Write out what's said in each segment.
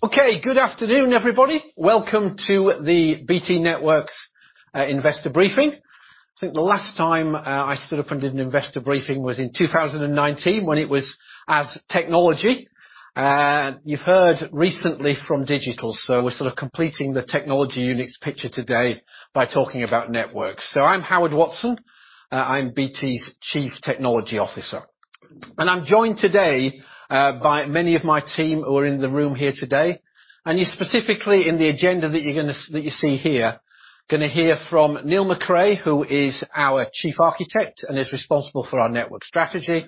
Okay, good afternoon, everybody. Welcome to the BT Networks investor briefing. I think the last time I stood up and did an investor briefing was in 2019 when it was as technology. You've heard recently from digital, we're sort of completing the technology unit's picture today by talking about networks. I'm Howard Watson. I'm BT's Chief Technology Officer. I'm joined today by many of my team who are in the room here today. You specifically in the agenda that you see here, gonna hear from Neil McRae, who is our chief architect and is responsible for our network strategy.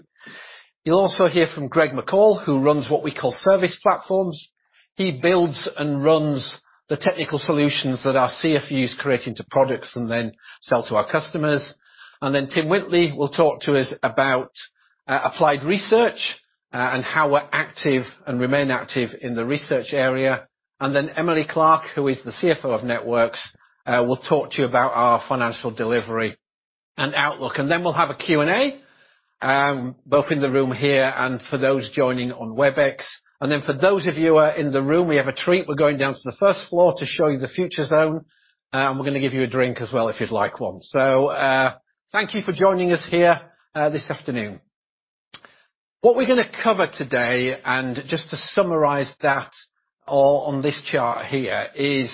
You'll also hear from Greg McCall, who runs what we call service platforms. He builds and runs the technical solutions that our CFUs create into products and then sell to our customers. Tim Whitley will talk to us about applied research and how we're active and remain active in the research area. Emily Clark, who is the CFO of Networks, will talk to you about our financial delivery and outlook. We'll have a Q&A both in the room here and for those joining on Webex. For those of you who are in the room, we have a treat. We're going down to the first floor to show you the future zone, and we're gonna give you a drink as well if you'd like one. Thank you for joining us here this afternoon. What we're gonna cover today, and just to summarize that, on this chart here is,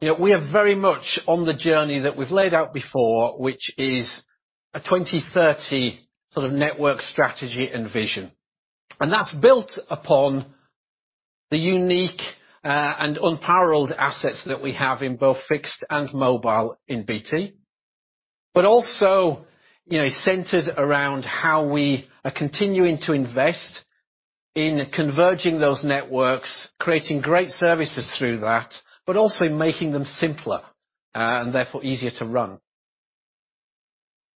you know, we are very much on the journey that we've laid out before, which is a 20-30 sort of network strategy and vision. That's built upon the unique and unparalleled assets that we have in both fixed and mobile in BT. You know, centered around how we are continuing to invest in converging those networks, creating great services through that, but also making them simpler and therefore easier to run.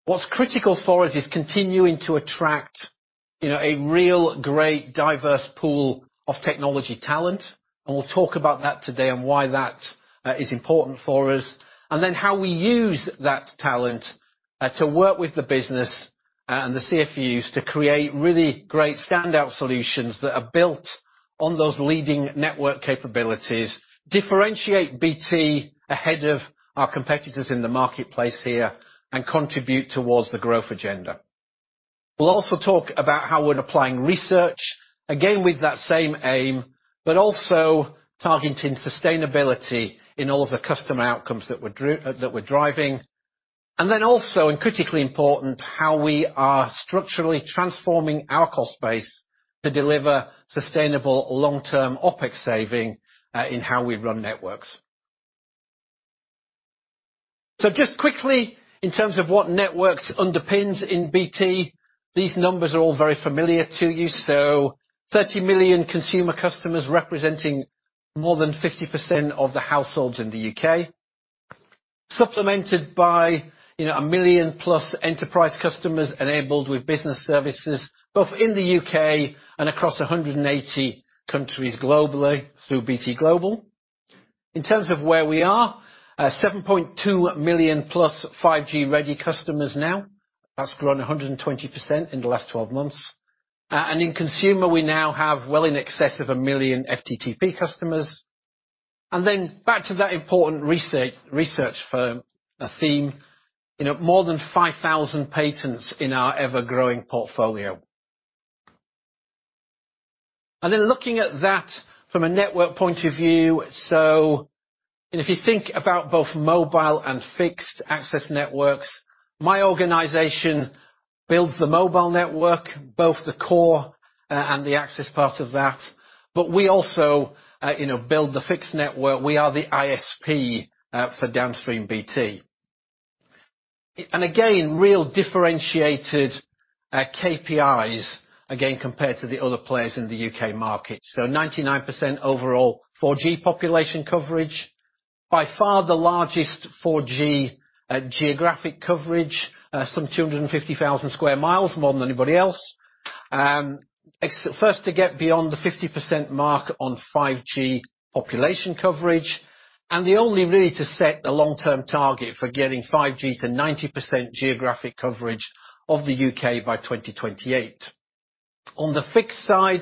What's critical for us is continuing to attract, you know, a real great diverse pool of technology talent. We'll talk about that today and why that is important for us. How we use that talent to work with the business and the CFUs to create really great standout solutions that are built on those leading network capabilities, differentiate BT ahead of our competitors in the marketplace here, and contribute towards the growth agenda. We'll also talk about how we're applying research, again, with that same aim, but also targeting sustainability in all of the customer outcomes that we're driving. Critically important, how we are structurally transforming our cost base to deliver sustainable long-term OpEx saving in how we run networks. Just quickly, in terms of what networks underpins in BT, these numbers are all very familiar to you. 30 million consumer customers representing more than 50% of the households in the U.K., supplemented by, you know, 1 million+ enterprise customers enabled with business services, both in the U.K. and across 180 countries globally through BT Global. In terms of where we are, 7.2 million+ 5G-ready customers now. That's grown 120% in the last 12 months. In consumer, we now have well in excess of 1 million FTTP customers. Then back to that important research theme, you know, more than 5,000 patents in our ever-growing portfolio. Then looking at that from a network point of view, if you think about both mobile and fixed access networks, my organization builds the mobile network, both the core and the access part of that. We also, you know, build the fixed network. We are the ISP for downstream BT. And again, really differentiated KPIs, again, compared to the other players in the U.K. market. 99% overall 4G population coverage. By far the largest 4G geographic coverage, some 250,000 sq mi, more than anybody else. First to get beyond the 50% mark on 5G population coverage, and the only really to set a long-term target for getting 5G to 90% geographic coverage of the U.K. by 2028. On the fixed side,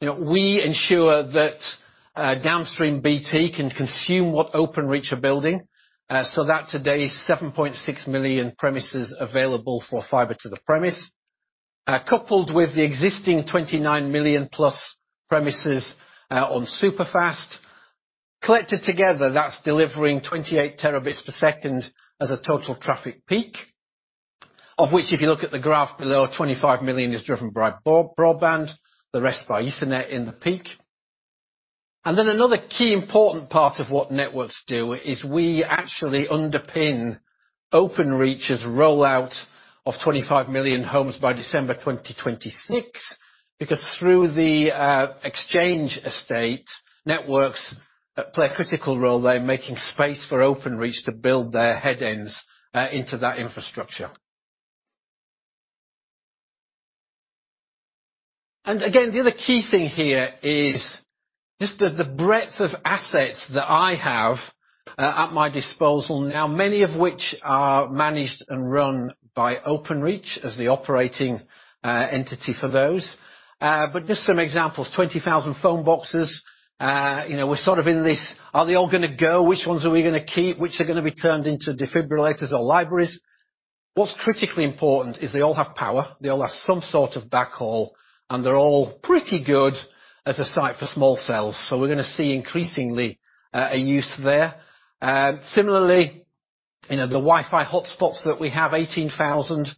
you know, we ensure that downstream BT can consume what Openreach are building, so that today's 7.6 million premises available for fiber to the premises, coupled with the existing 29 million plus premises on superfast. Collected together, that's delivering 28 Tbps as a total traffic peak, of which, if you look at the graph below, 25 million is driven by broadband, the rest by Ethernet in the peak. Then another key important part of what networks do is we actually underpin Openreach's rollout of 25 million homes by December 2026, because through the exchange estate, networks play a critical role there in making space for Openreach to build their headends into that infrastructure. Again, the other key thing here is just the breadth of assets that I have at my disposal now, many of which are managed and run by Openreach as the operating entity for those. But just some examples, 20,000 phone boxes. You know, we're sort of in this, are they all gonna go? Which ones are we gonna keep? Which are gonna be turned into defibrillators or libraries? What's critically important is they all have power, they all have some sort of backhaul, and they're all pretty good as a site for small cells. We're gonna see increasingly a use there. Similarly, you know, the Wi-Fi hotspots that we have, 18,000+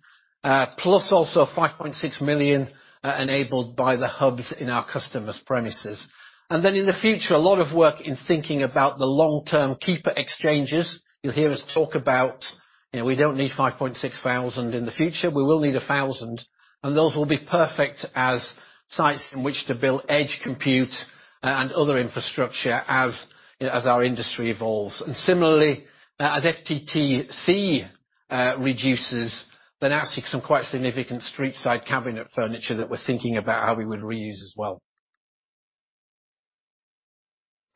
also 5.6 million enabled by the hubs in our customers' premises. Then in the future, a lot of work in thinking about the long-term keeper exchanges. You'll hear us talk about, you know, we don't need 5,600 in the future, we will need a thousand. Those will be perfect as sites in which to build edge compute and other infrastructure as our industry evolves. Similarly, as FTTC reduces, then actually some quite significant street-side cabinet furniture that we're thinking about how we would reuse as well.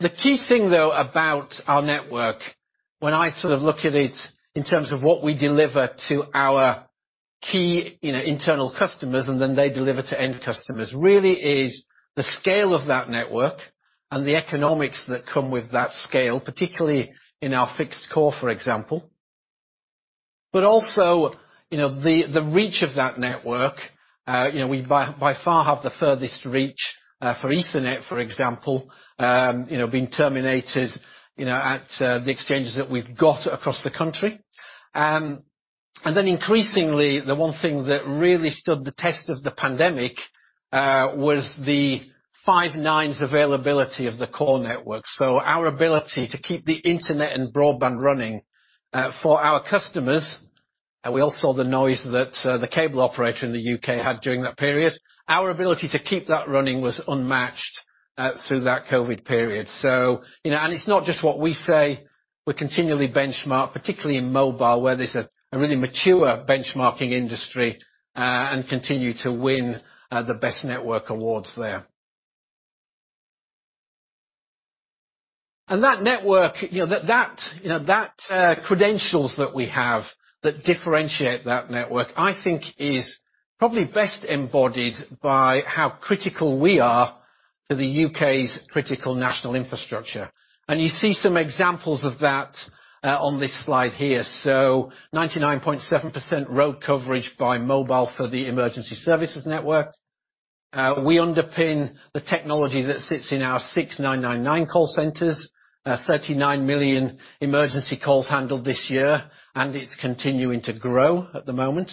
The key thing though about our network, when I sort of look at it in terms of what we deliver to our key, you know, internal customers and then they deliver to end customers, really is the scale of that network and the economics that come with that scale, particularly in our fixed core, for example. But also, you know, the reach of that network, you know, we by far have the furthest reach, for Ethernet, for example, being terminated at the exchanges that we've got across the country. And then increasingly, the one thing that really stood the test of the pandemic was the five nines availability of the core network. Our ability to keep the internet and broadband running for our customers, and we all saw the noise that the cable operator in the U.K. had during that period. Our ability to keep that running was unmatched through that COVID period. You know, and it's not just what we say, we continually benchmark, particularly in mobile, where there's a really mature benchmarking industry, and continue to win the best network awards there. And that network, you know, that credentials that we have that differentiate that network, I think is probably best embodied by how critical we are to the U.K. Critical national infrastructure. And you see some examples of that on this slide here. 99.7% road coverage by mobile for the emergency services network. We underpin the technology that sits in our 999 call centers. 39 million emergency calls handled this year, and it's continuing to grow at the moment.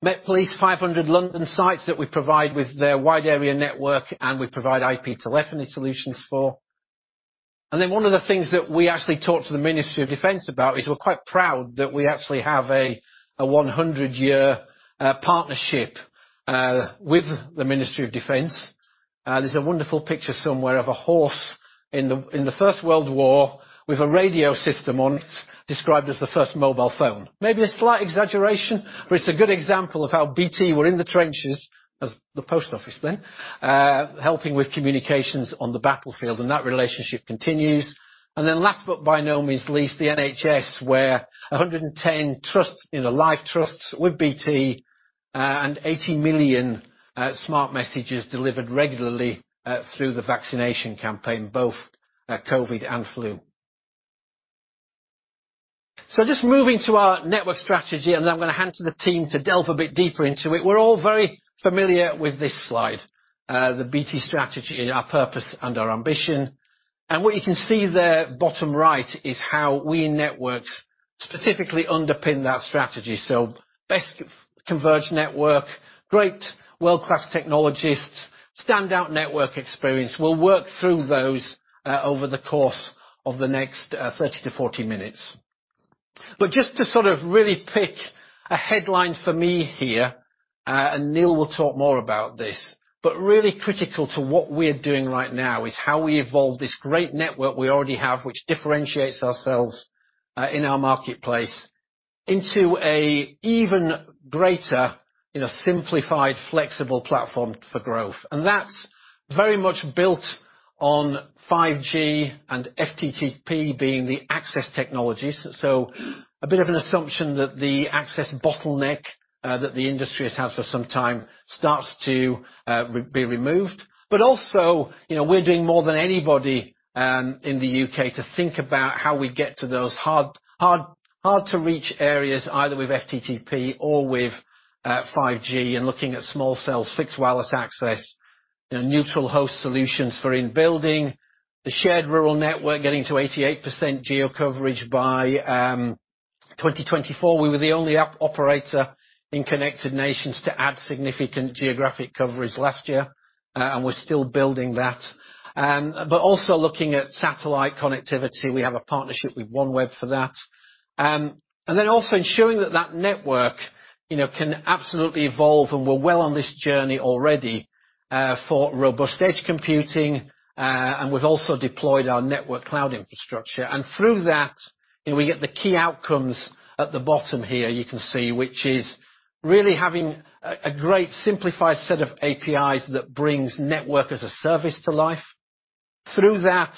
Metropolitan Police, 500 London sites that we provide with their wide area network, and we provide IP telephony solutions for. One of the things that we actually talk to the Ministry of Defence about is we're quite proud that we actually have a 100-year partnership with the Ministry of Defence. There's a wonderful picture somewhere of a horse in the First World War with a radio system on it, described as the first mobile phone. Maybe a slight exaggeration, but it's a good example of how BT were in the trenches, as the Post Office then, helping with communications on the battlefield, and that relationship continues. Last but by no means least, the NHS, where 110 trusts, you know, live trusts with BT, and 80 million smart messages delivered regularly through the vaccination campaign, both COVID and flu. Just moving to our network strategy, and then I'm gonna hand to the team to delve a bit deeper into it. We're all very familiar with this slide, the BT strategy and our purpose and our ambition. What you can see there, bottom right, is how we in networks specifically underpin that strategy. Best converged network, great world-class technologists, standout network experience. We'll work through those over the course of the next 30-40 minutes. Just to sort of really pick a headline for me here, and Neil will talk more about this, but really critical to what we're doing right now is how we evolve this great network we already have, which differentiates ourselves, in our marketplace, into an even greater, you know, simplified, flexible platform for growth. That's very much built on 5G and FTTP being the access technologies. A bit of an assumption that the access bottleneck, that the industry has had for some time starts to be removed. Also, you know, we're doing more than anybody, in the U.K. to think about how we get to those hard-to-reach areas, either with FTTP or with 5G and looking at small cells, Fixed Wireless Access, you know, neutral host solutions for in-building. The Shared Rural Network getting to 88% geo coverage by 2024. We were the only operator in Connected Nations to add significant geographic coverage last year, and we're still building that. But also looking at satellite connectivity, we have a partnership with OneWeb for that. Then also ensuring that that network, you know, can absolutely evolve, and we're well on this journey already, for robust edge computing, and we've also deployed our Network Cloud infrastructure. Through that, we get the key outcomes at the bottom here, you can see, which is really having a great simplified set of APIs that brings Network as a Service to life. Through that,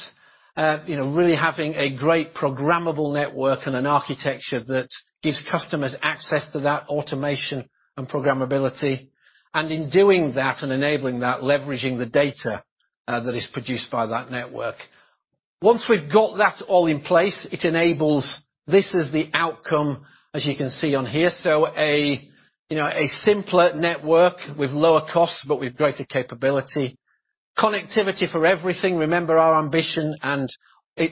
you know, really having a great programmable network and an architecture that gives customers access to that automation and programmability. In doing that and enabling that, leveraging the data that is produced by that network. Once we've got that all in place, it enables. This is the outcome as you can see on here. You know, a simpler network with lower costs, but with greater capability. Connectivity for everything. Remember our ambition and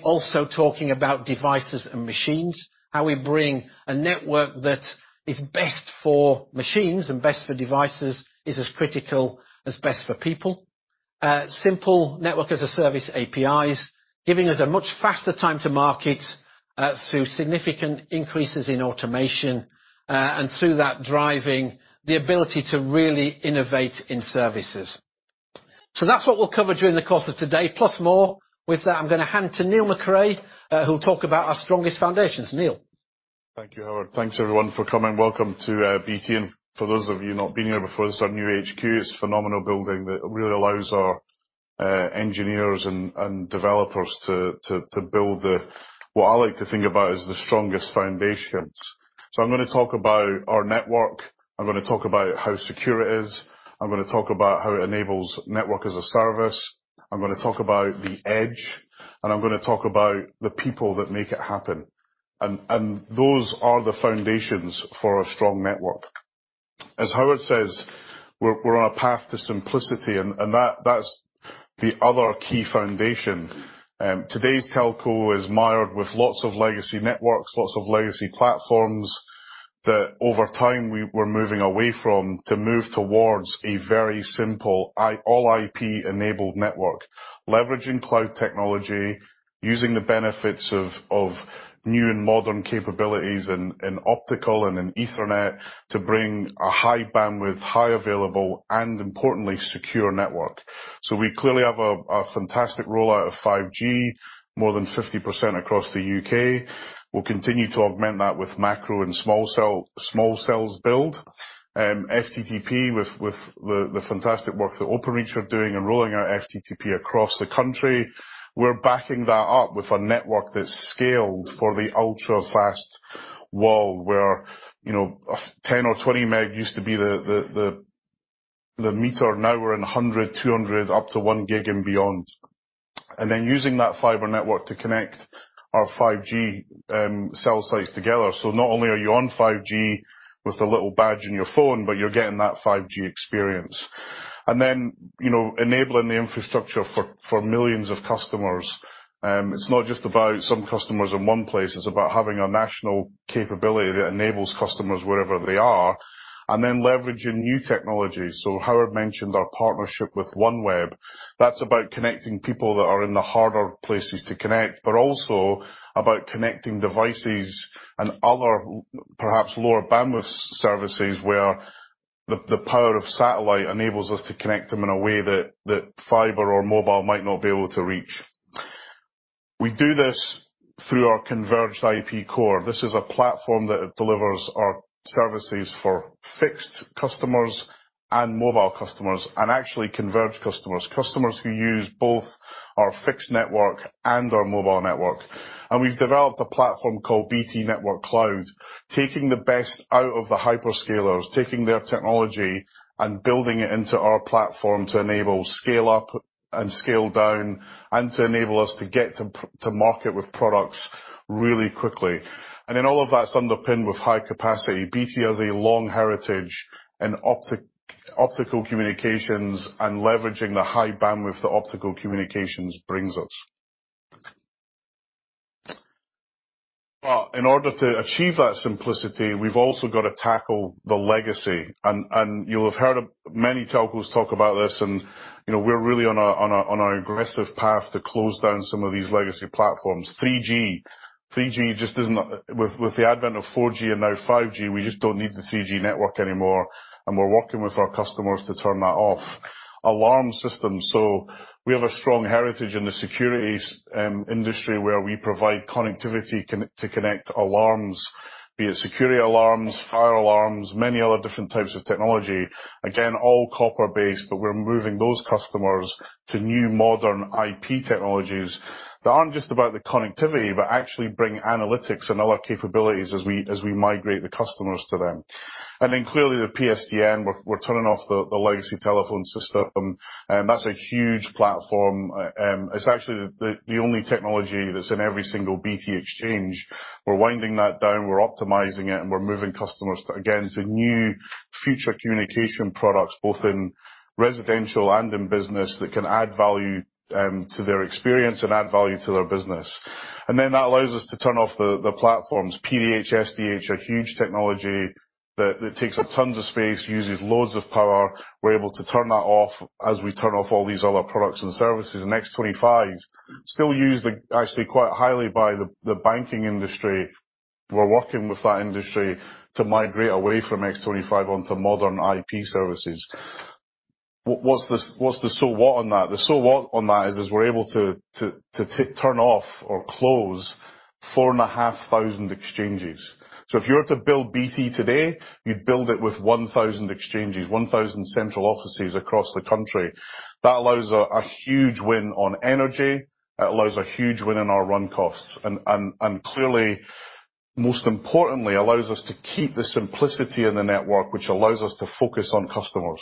also talking about devices and machines, how we bring a network that is best for machines and best for devices is as critical as best for people. Simple Network as a Service APIs, giving us a much faster time to market through significant increases in automation and through that, driving the ability to really innovate in services. That's what we'll cover during the course of today, plus more. With that, I'm gonna hand to Neil McRae, who'll talk about our strongest foundations. Neil. Thank you, Howard. Thanks everyone for coming. Welcome to BT. For those of you not been here before, this is our new HQ. It's a phenomenal building that really allows our engineers and developers to build what I like to think about as the strongest foundations. I'm gonna talk about our network. I'm gonna talk about how secure it is. I'm gonna talk about how it enables Network as a Service. I'm gonna talk about the edge, and I'm gonna talk about the people that make it happen. Those are the foundations for a strong network. As Howard says, we're on a path to simplicity, and that’s the other key foundation. Today's telco is mired with lots of legacy networks, lots of legacy platforms that over time we're moving away from to move towards a very simple all IP-enabled network. Leveraging cloud technology, using the benefits of new and modern capabilities in optical and in Ethernet to bring a high bandwidth, high available, and importantly secure network. We clearly have a fantastic rollout of 5G, more than 50% across the U.K. We'll continue to augment that with macro and small cells build. FTTP with the fantastic work that Openreach are doing in rolling out FTTP across the country. We're backing that up with a network that's scaled for the ultra-fast world where, you know, a 10 or 20 meg used to be the meter. Now we're in 100, 200, up to 1 gig and beyond. Using that fiber network to connect our 5G cell sites together. Not only are you on 5G with the little badge in your phone, but you're getting that 5G experience. You know, enabling the infrastructure for millions of customers. It's not just about some customers in one place, it's about having a national capability that enables customers wherever they are. Leveraging new technology. Howard mentioned our partnership with OneWeb. That's about connecting people that are in the harder places to connect, but also about connecting devices and other perhaps lower bandwidth services, where the power of satellite enables us to connect them in a way that fiber or mobile might not be able to reach. We do this through our converged IP core. This is a platform that delivers our services for fixed customers and mobile customers, and actually converged customers. Customers who use both our fixed network and our mobile network. We've developed a platform called BT Network Cloud, taking the best out of the hyperscalers, taking their technology and building it into our platform to enable scale up and scale down, and to enable us to get to market with products really quickly. All of that's underpinned with high capacity. BT has a long heritage in optical communications and leveraging the high bandwidth the optical communications brings us. In order to achieve that simplicity, we've also got to tackle the legacy. You'll have heard of many telcos talk about this and, you know, we're really on an aggressive path to close down some of these legacy platforms. 3G. 3G just isn't. With the advent of 4G and now 5G, we just don't need the 3G network anymore, and we're working with our customers to turn that off. Alarm systems. We have a strong heritage in the security industry where we provide connectivity to connect alarms, be it security alarms, fire alarms, many other different types of technology. Again, all copper-based, but we're moving those customers to new modern IP technologies that aren't just about the connectivity, but actually bring analytics and other capabilities as we migrate the customers to them. Then clearly, the PSTN, we're turning off the legacy telephone system, and that's a huge platform. It's actually the only technology that's in every single BT exchange. We're winding that down, we're optimizing it, and we're moving customers, again, to new future communication products, both in residential and in business, that can add value to their experience and add value to their business. That allows us to turn off the platforms. PDH, SDH are huge technology that takes up tons of space, uses loads of power. We're able to turn that off as we turn off all these other products and services. X.25s, still used, actually quite highly by the banking industry. We're working with that industry to migrate away from X.25 onto modern IP services. What's the so what on that? The so what on that is we're able to turn off or close 4,500 exchanges. If you were to build BT today, you'd build it with 1,000 exchanges, 1,000 central offices across the country. That allows a huge win on energy. It allows a huge win in our run costs and clearly, most importantly, allows us to keep the simplicity in the network, which allows us to focus on customers.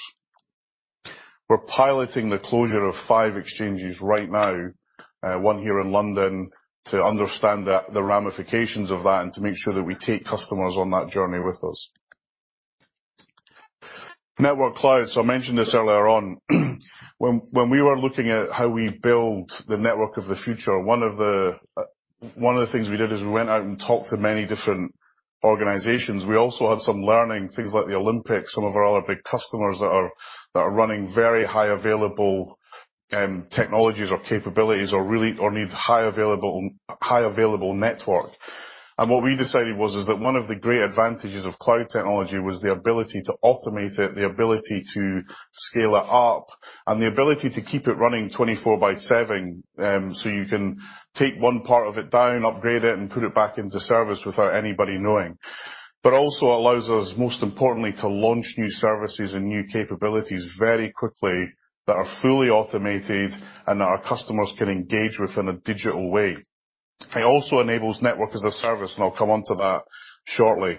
We're piloting the closure of five exchanges right now, one here in London, to understand the ramifications of that and to make sure that we take customers on that journey with us. Network Cloud, I mentioned this earlier on. When we were looking at how we build the network of the future, one of the things we did is we went out and talked to many different organizations. We also had some learning, things like the Olympics, some of our other big customers that are running highly available technologies or capabilities or need highly available network. What we decided was that one of the great advantages of cloud technology was the ability to automate it, the ability to scale it up, and the ability to keep it running 24/7, so you can take one part of it down, upgrade it and put it back into service without anybody knowing. It also allows us, most importantly, to launch new services and new capabilities very quickly that are fully automated and that our customers can engage with in a digital way. It also enables Network as a Service, and I'll come on to that shortly.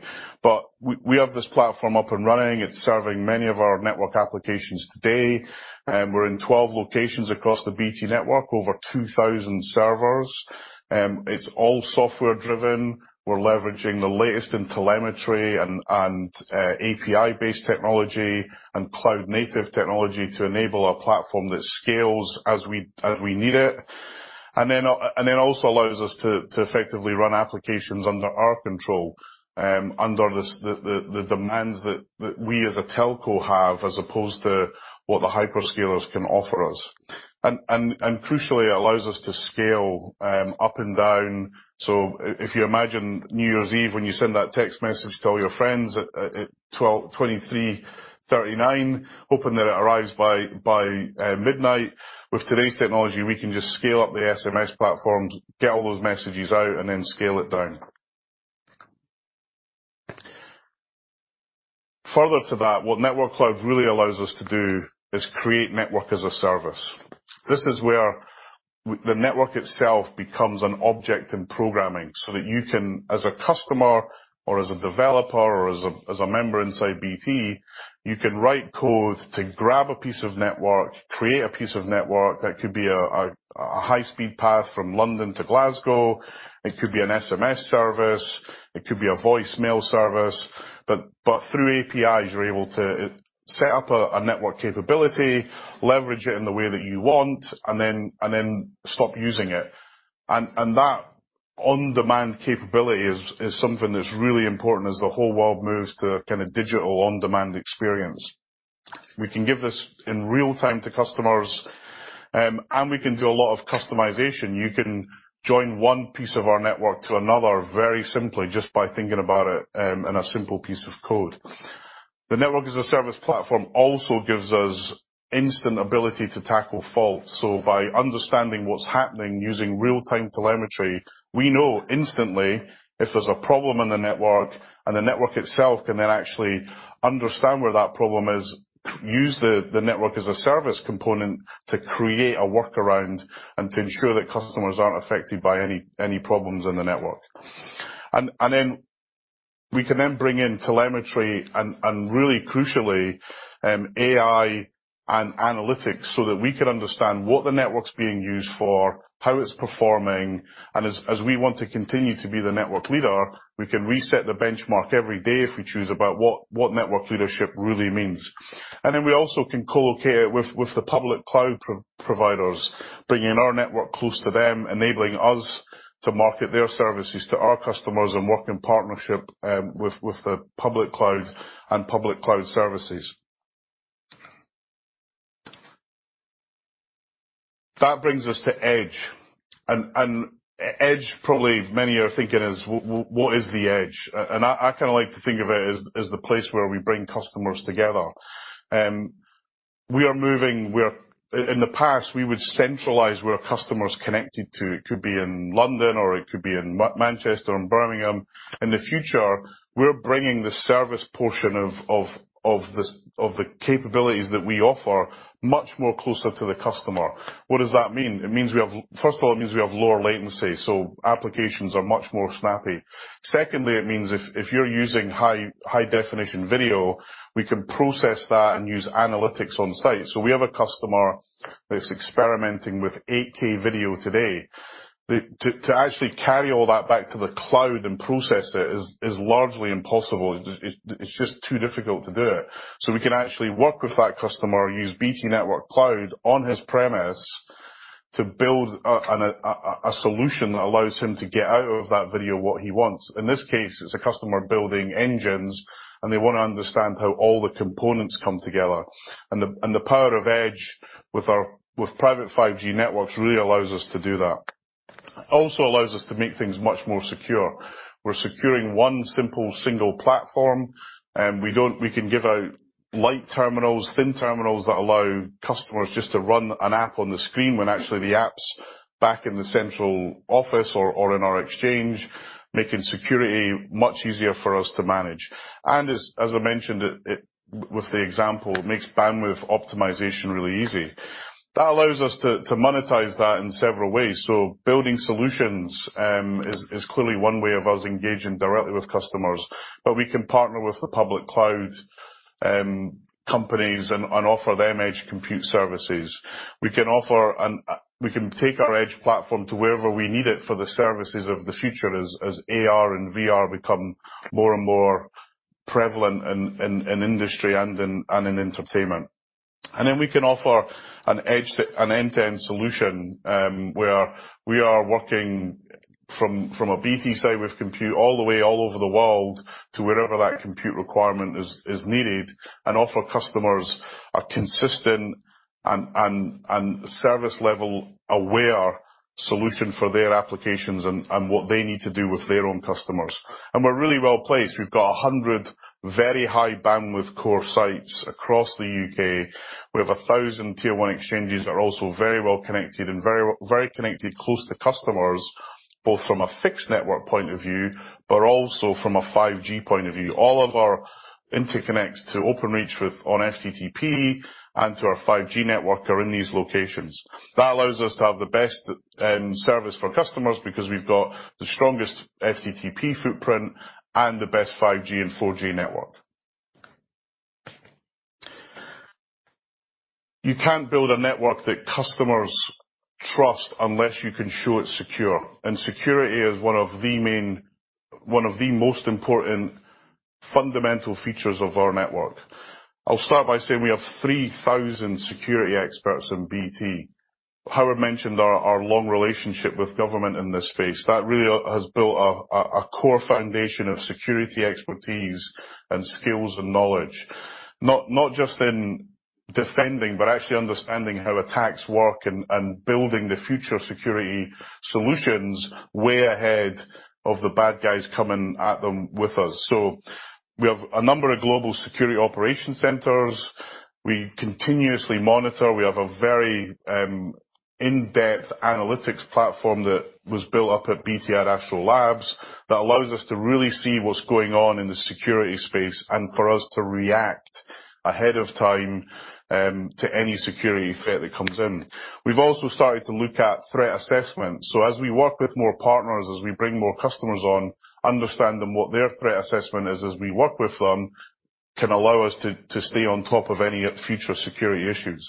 We have this platform up and running. It's serving many of our network applications today, we're in 12 locations across the BT network, over 2,000 servers. It's all software driven. We're leveraging the latest in telemetry and API-based technology and cloud-native technology to enable a platform that scales as we need it. It also allows us to effectively run applications under our control, under the demands that we as a telco have, as opposed to what the hyperscalers can offer us. Crucially, it allows us to scale up and down. If you imagine New Year's Eve, when you send that text message to all your friends at 11:59 P.M., hoping that it arrives by midnight. With today's technology, we can just scale up the SMS platforms, get all those messages out, and then scale it down. Further to that, what Network Cloud really allows us to do is create Network as a Service. This is where the network itself becomes an object in programming, so that you can, as a customer or as a developer or as a member inside BT, you can write code to grab a piece of network, create a piece of network that could be a high-speed path from London to Glasgow. It could be an SMS service. It could be a voicemail service. But through APIs, you're able to set up a network capability, leverage it in the way that you want, and then stop using it. That on-demand capability is something that's really important as the whole world moves to a kind of digital on-demand experience. We can give this in real time to customers, and we can do a lot of customization. You can join one piece of our network to another very simply just by thinking about it in a simple piece of code. The Network as a Service platform also gives us instant ability to tackle faults. By understanding what's happening using real-time telemetry, we know instantly if there's a problem in the network and the network itself can then actually understand where that problem is, use the Network as a Service component to create a workaround and to ensure that customers aren't affected by any problems in the network. Then we can bring in telemetry and really crucially, AI and analytics so that we can understand what the network's being used for, how it's performing, and as we want to continue to be the network leader, we can reset the benchmark every day if we choose about what network leadership really means. Then we also can co-locate with the public cloud providers, bringing our network close to them, enabling us to market their services to our customers and work in partnership with the public cloud and public cloud services. That brings us to edge. Edge probably many are thinking is what is the edge? I kind of like to think of it as the place where we bring customers together. We are moving, we're. In the past, we would centralize where customers connected to. It could be in London or it could be in Manchester and Birmingham. In the future, we're bringing the service portion of the capabilities that we offer much more closer to the customer. What does that mean? It means we have lower latency, so applications are much more snappy. Secondly, it means if you're using high-definition video, we can process that and use analytics on-site. So we have a customer that's experimenting with 8K video today. To actually carry all that back to the cloud and process it is largely impossible. It's just too difficult to do it. We can actually work with that customer, use BT Network Cloud on-premises to build a solution that allows him to get out of that video what he wants. In this case, it's a customer building engines, and they wanna understand how all the components come together. The power of edge with private 5G networks really allows us to do that. Also allows us to make things much more secure. We're securing one simple single platform, and we can give out light terminals, thin terminals that allow customers just to run an app on the screen when actually the app's back in the central office or in our exchange, making security much easier for us to manage. As I mentioned it with the example, makes bandwidth optimization really easy. That allows us to monetize that in several ways. Building solutions is clearly one way of us engaging directly with customers, but we can partner with the public clouds companies and offer them edge compute services. We can take our edge platform to wherever we need it for the services of the future as AR and VR become more and more prevalent in industry and in entertainment. We can offer an end-to-end solution, where we are working from a BT site with compute all the way all over the world to wherever that compute requirement is needed and offer customers a consistent and service level aware solution for their applications and what they need to do with their own customers. We're really well-placed. We've got 100 very high bandwidth core sites across the U.K. We have 1,000 Tier 1 exchanges that are also very well-connected and very, very connected close to customers, both from a fixed network point of view, but also from a 5G point of view. All of our interconnects to Openreach with on FTTP and to our 5G network are in these locations. That allows us to have the best service for customers because we've got the strongest FTTP footprint and the best 5G and 4G network. You can't build a network that customers trust unless you can show it's secure. Security is one of the most important fundamental features of our network. I'll start by saying we have 3,000 security experts in BT. Howard mentioned our long relationship with government in this space. That really has built a core foundation of security expertise and skills and knowledge. Not just in defending, but actually understanding how attacks work and building the future security solutions way ahead of the bad guys coming at them with us. We have a number of global security operation centers. We continuously monitor. We have a very in-depth analytics platform that was built up at BT Adastral Park that allows us to really see what's going on in the security space and for us to react ahead of time to any security threat that comes in. We've also started to look at threat assessment. As we work with more partners, as we bring more customers on, understanding what their threat assessment is as we work with them, can allow us to stay on top of any future security issues.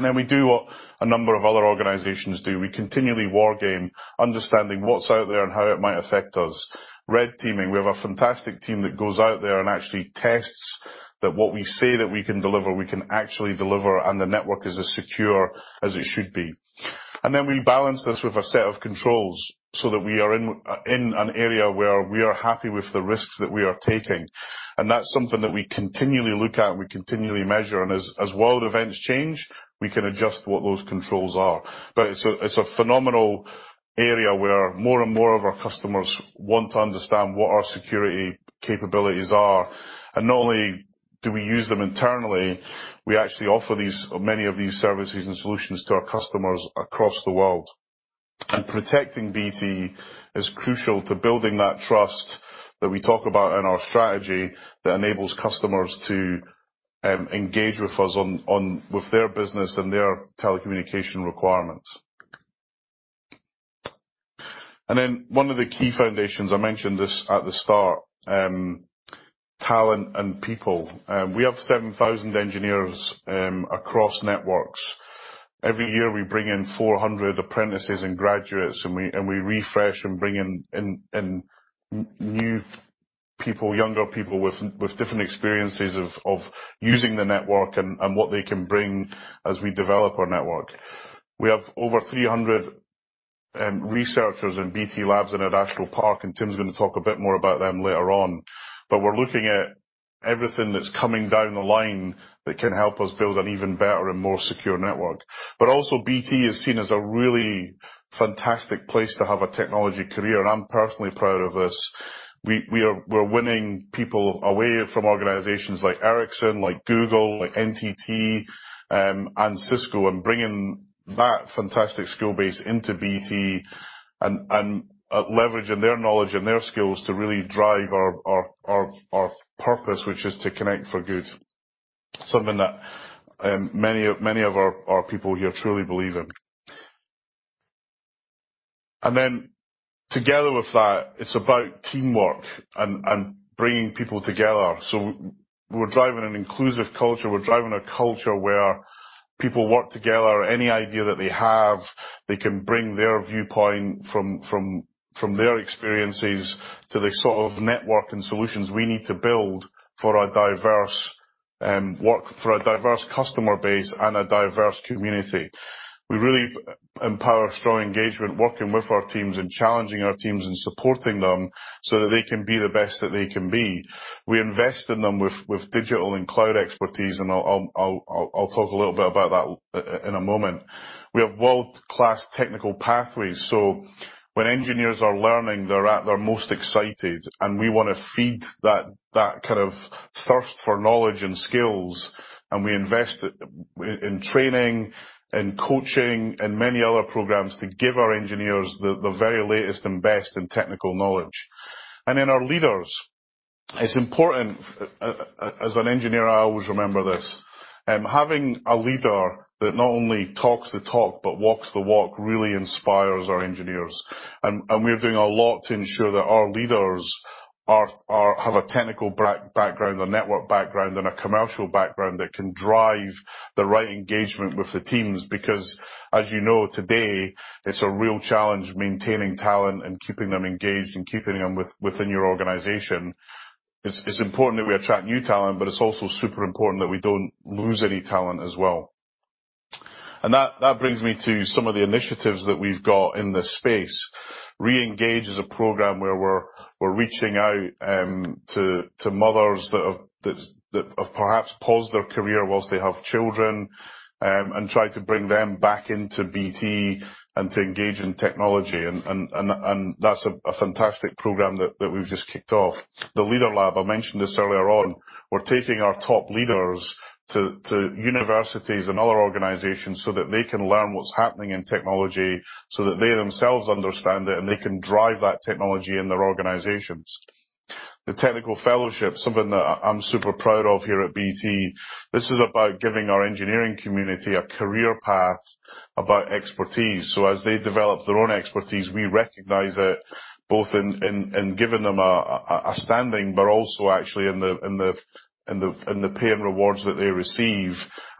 Then we do what a number of other organizations do. We continually war game, understanding what's out there and how it might affect us. Red teaming, we have a fantastic team that goes out there and actually tests that what we say that we can deliver, we can actually deliver, and the network is as secure as it should be. Then we balance this with a set of controls so that we are in an area where we are happy with the risks that we are taking. That's something that we continually look at, we continually measure. As world events change, we can adjust what those controls are. It's a phenomenal area where more and more of our customers want to understand what our security capabilities are. Not only do we use them internally, we actually offer these, many of these services and solutions to our customers across the world. Protecting BT is crucial to building that trust that we talk about in our strategy that enables customers to engage with us on with their business and their telecommunication requirements. One of the key foundations, I mentioned this at the start, talent and people. We have 7,000 engineers across networks. Every year, we bring in 400 apprentices and graduates, and we refresh and bring in new people, younger people with different experiences of using the network and what they can bring as we develop our network. We have over 300 researchers in BT Labs in our Adastral Park, and Tim's gonna talk a bit more about them later on. We're looking at everything that's coming down the line that can help us build an even better and more secure network. Also, BT is seen as a really fantastic place to have a technology career. I'm personally proud of this. We're winning people away from organizations like Ericsson, like Google, like NTT, and Cisco, and bringing that fantastic skill base into BT and leveraging their knowledge and their skills to really drive our purpose, which is to connect for good. Something that many of our people here truly believe in. Together with that, it's about teamwork and bringing people together. We're driving an inclusive culture. We're driving a culture where people work together. Any idea that they have, they can bring their viewpoint from their experiences to the sort of network and solutions we need to build for a diverse and work for a diverse customer base and a diverse community. We really empower strong engagement, working with our teams and challenging our teams and supporting them so that they can be the best that they can be. We invest in them with digital and cloud expertise, and I'll talk a little bit about that in a moment. We have world-class technical pathways, so when engineers are learning, they're at their most excited, and we wanna feed that kind of thirst for knowledge and skills, and we invest in training and coaching and many other programs to give our engineers the very latest and best in technical knowledge. Our leaders, it's important as an engineer, I always remember this, having a leader that not only talks the talk, but walks the walk, really inspires our engineers. We're doing a lot to ensure that our leaders have a technical background, a network background, and a commercial background that can drive the right engagement with the teams. Because, as you know, today, it's a real challenge maintaining talent and keeping them engaged and keeping them within your organization. It's important that we attract new talent, but it's also super important that we don't lose any talent as well. That brings me to some of the initiatives that we've got in this space. Re-engage is a program where we're reaching out to mothers that have perhaps paused their career while they have children, and try to bring them back into BT and to engage in technology and that's a fantastic program that we've just kicked off. The Leader Lab, I mentioned this earlier on. We're taking our top leaders to universities and other organizations so that they can learn what's happening in technology, so that they themselves understand it and they can drive that technology in their organizations. The Tech Fellowship, something that I'm super proud of here at BT. This is about giving our engineering community a career path about expertise. As they develop their own expertise, we recognize it both in giving them a standing, but also actually in the pay and rewards that they receive.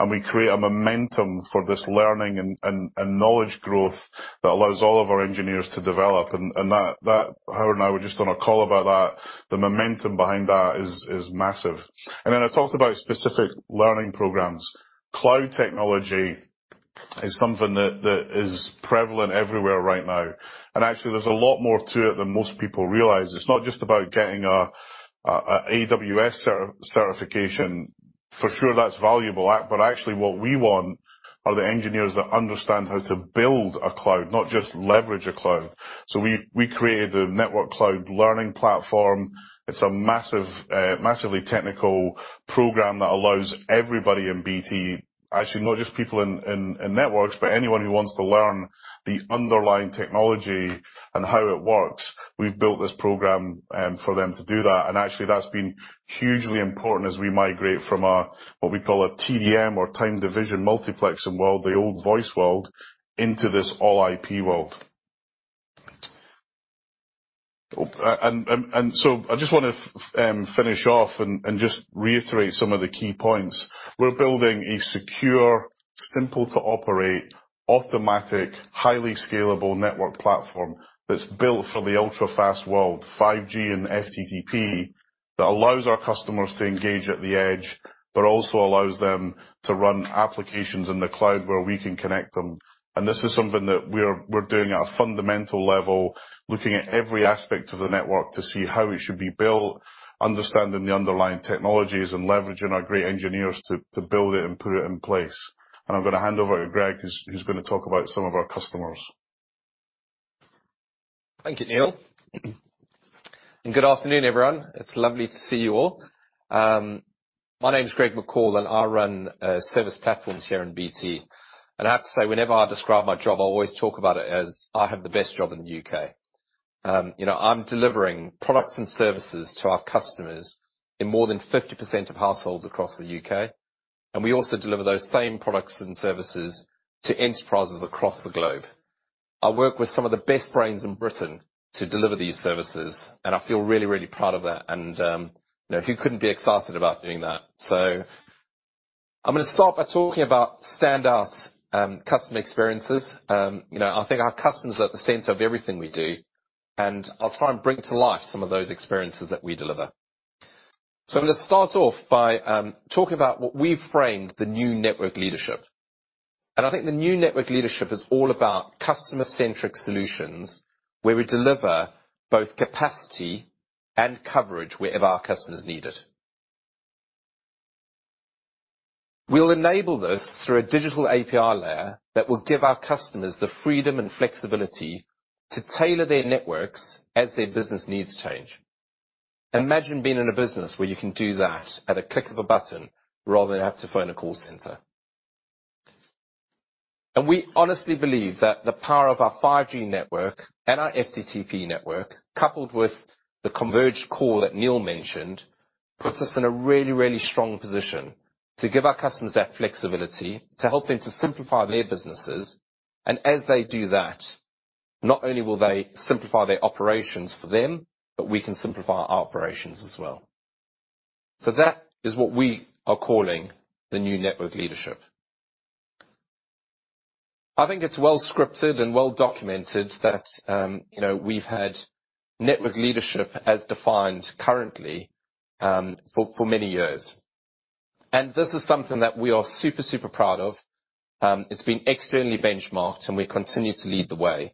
We create a momentum for this learning and knowledge growth that allows all of our engineers to develop. That, Howard and I were just on a call about that. The momentum behind that is massive. I talked about specific learning programs. Cloud technology is something that is prevalent everywhere right now, and actually there's a lot more to it than most people realize. It's not just about getting a AWS certification. For sure that's valuable, but actually what we want are the engineers that understand how to build a cloud, not just leverage a cloud. We created a network cloud learning platform. It's a massive, massively technical program that allows everybody in BT—actually not just people in networks, but anyone who wants to learn the underlying technology and how it works. We've built this program for them to do that. Actually, that's been hugely important as we migrate from a what we call a TDM or Time Division Multiplexing world, the old voice world, into this all IP world. I just wanna finish off and just reiterate some of the key points. We're building a secure, simple to operate, automatic, highly scalable network platform that's built for the ultra-fast world, 5G and FTTP, that allows our customers to engage at the edge, but also allows them to run applications in the cloud where we can connect them. This is something that we're doing at a fundamental level, looking at every aspect of the network to see how it should be built, understanding the underlying technologies and leveraging our great engineers to build it and put it in place. I'm gonna hand over to Greg, who's gonna talk about some of our customers. Thank you, Neil. Good afternoon, everyone. It's lovely to see you all. My name's Greg McCall, and I run service platforms here in BT. I have to say, whenever I describe my job, I always talk about it as I have the best job in the U.K. You know, I'm delivering products and services to our customers in more than 50% of households across the U.K., and we also deliver those same products and services to enterprises across the globe. I work with some of the best brains in Britain to deliver these services, and I feel really, really proud of that. You know, who couldn't be excited about doing that? I'm gonna start by talking about standouts customer experiences. You know, I think our customers are at the center of everything we do, and I'll try and bring to life some of those experiences that we deliver. I'm gonna start off by talking about what we've framed the new network leadership. I think the new network leadership is all about customer-centric solutions where we deliver both capacity and coverage wherever our customers need it. We'll enable this through a digital API layer that will give our customers the freedom and flexibility to tailor their networks as their business needs change. Imagine being in a business where you can do that at a click of a button rather than have to phone a call center. We honestly believe that the power of our 5G network and our FTTP network, coupled with the converged core that Neil mentioned, puts us in a really, really strong position to give our customers that flexibility to help them to simplify their businesses, and as they do that, not only will they simplify their operations for them, but we can simplify our operations as well. That is what we are calling the new network leadership. I think it's well scripted and well documented that, you know, we've had network leadership as defined currently, for many years. This is something that we are super proud of. It's been externally benchmarked, and we continue to lead the way.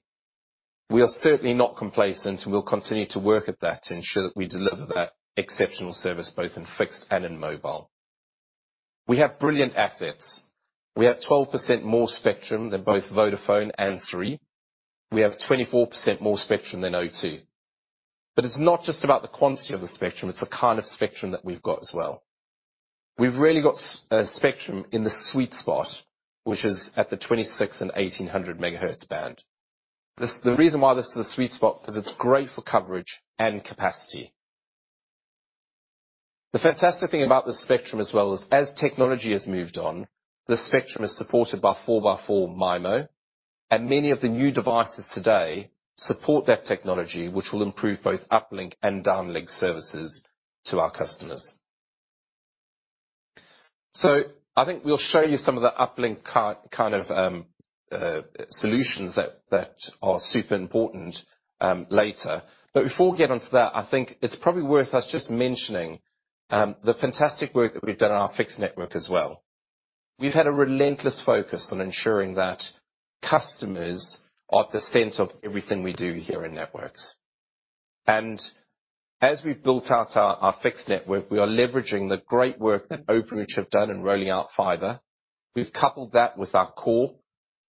We are certainly not complacent. We'll continue to work at that to ensure that we deliver that exceptional service both in fixed and in mobile. We have brilliant assets. We have 12% more spectrum than both Vodafone and Three. We have 24% more spectrum than O2. It's not just about the quantity of the spectrum, it's the kind of spectrum that we've got as well. We've really got spectrum in the sweet spot, which is at the 26 and 1800 MHz band. The reason why this is a sweet spot, 'cause it's great for coverage and capacity. The fantastic thing about the spectrum as well is as technology has moved on, the spectrum is supported by 4x4 MIMO, and many of the new devices today support that technology which will improve both uplink and downlink services to our customers. I think we'll show you some of the uplink kind of solutions that are super important later. Before we get onto that, I think it's probably worth us just mentioning the fantastic work that we've done on our fixed network as well. We've had a relentless focus on ensuring that customers are at the center of everything we do here in networks. As we've built out our fixed network, we are leveraging the great work that Openreach have done in rolling out fiber. We've coupled that with our core.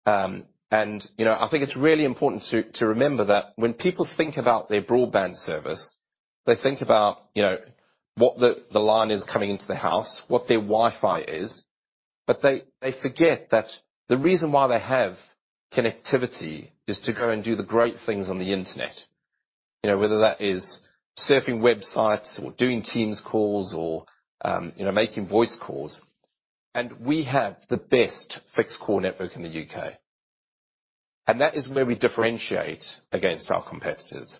You know, I think it's really important to remember that when people think about their broadband service, they think about what the line is coming into the house, what their Wi-Fi is, but they forget that the reason why they have connectivity is to go and do the great things on the internet. You know, whether that is surfing websites or doing Teams calls or, you know, making voice calls. We have the best fixed core network in the U.K., and that is where we differentiate against our competitors.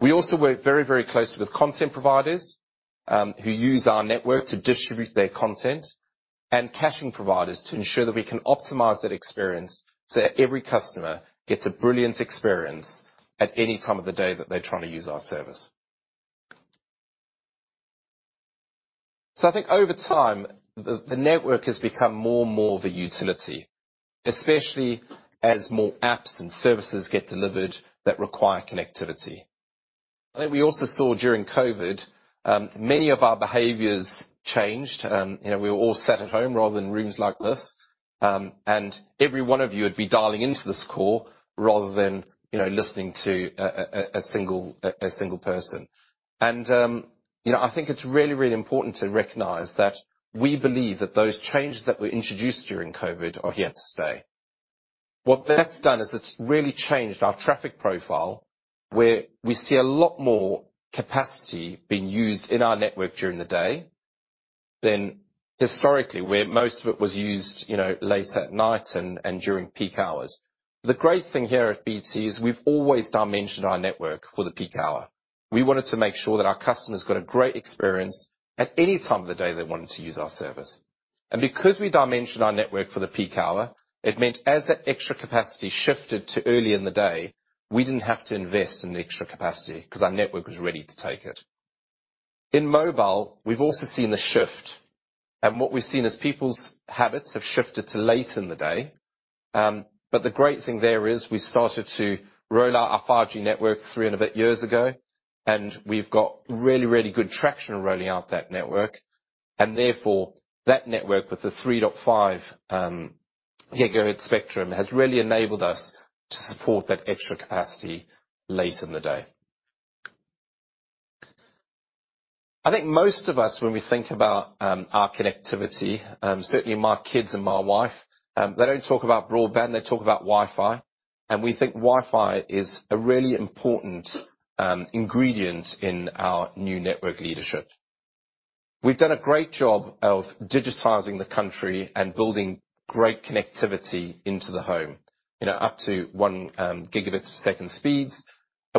We also work very, very closely with content providers, who use our network to distribute their content and caching providers to ensure that we can optimize that experience so that every customer gets a brilliant experience at any time of the day that they're trying to use our service. I think over time, the network has become more and more of a utility, especially as more apps and services get delivered that require connectivity. I think we also saw during COVID, many of our behaviors changed. You know, we were all sat at home rather than rooms like this. Every one of you would be dialing into this call rather than, you know, listening to a single person. You know, I think it's really, really important to recognize that we believe that those changes that were introduced during COVID are here to stay. What that's done is it's really changed our traffic profile, where we see a lot more capacity being used in our network during the day than historically, where most of it was used, you know, late at night and during peak hours. The great thing here at BT is we've always dimensioned our network for the peak hour. We wanted to make sure that our customers got a great experience at any time of the day they wanted to use our service. Because we dimension our network for the peak hour, it meant as that extra capacity shifted to early in the day, we didn't have to invest in the extra capacity 'cause our network was ready to take it. In mobile, we've also seen the shift, and what we've seen is people's habits have shifted to late in the day. But the great thing there is we started to roll out our 5G network 3 and a bit years ago, and we've got really, really good traction on rolling out that network. Therefore, that network with the 3.5 GHz spectrum has really enabled us to support that extra capacity later in the day. I think most of us when we think about our connectivity, certainly my kids and my wife, they don't talk about broadband, they talk about Wi-Fi. We think Wi-Fi is a really important ingredient in our new network leadership. We've done a great job of digitizing the country and building great connectivity into the home, you know, up to 1 Gbps speeds.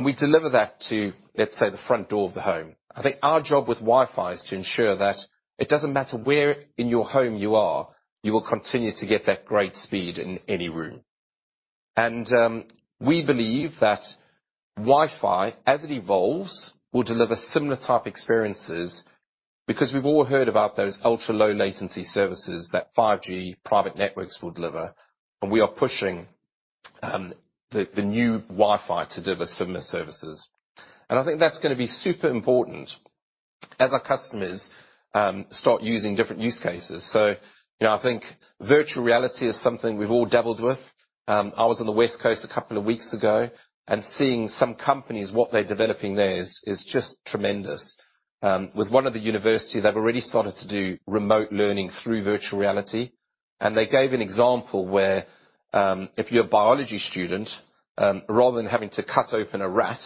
We deliver that to, let's say, the front door of the home. I think our job with Wi-Fi is to ensure that it doesn't matter where in your home you are, you will continue to get that great speed in any room. We believe that Wi-Fi, as it evolves, will deliver similar type experiences, because we've all heard about those ultra-low latency services that 5G private networks will deliver, and we are pushing the new Wi-Fi to deliver similar services. I think that's gonna be super important as our customers start using different use cases. You know, I think virtual reality is something we've all dabbled with. I was on the West Coast a couple of weeks ago, and seeing some companies, what they're developing there is just tremendous. With one of the university, they've already started to do remote learning through virtual reality. They gave an example where, if you're a biology student, rather than having to cut open a rat,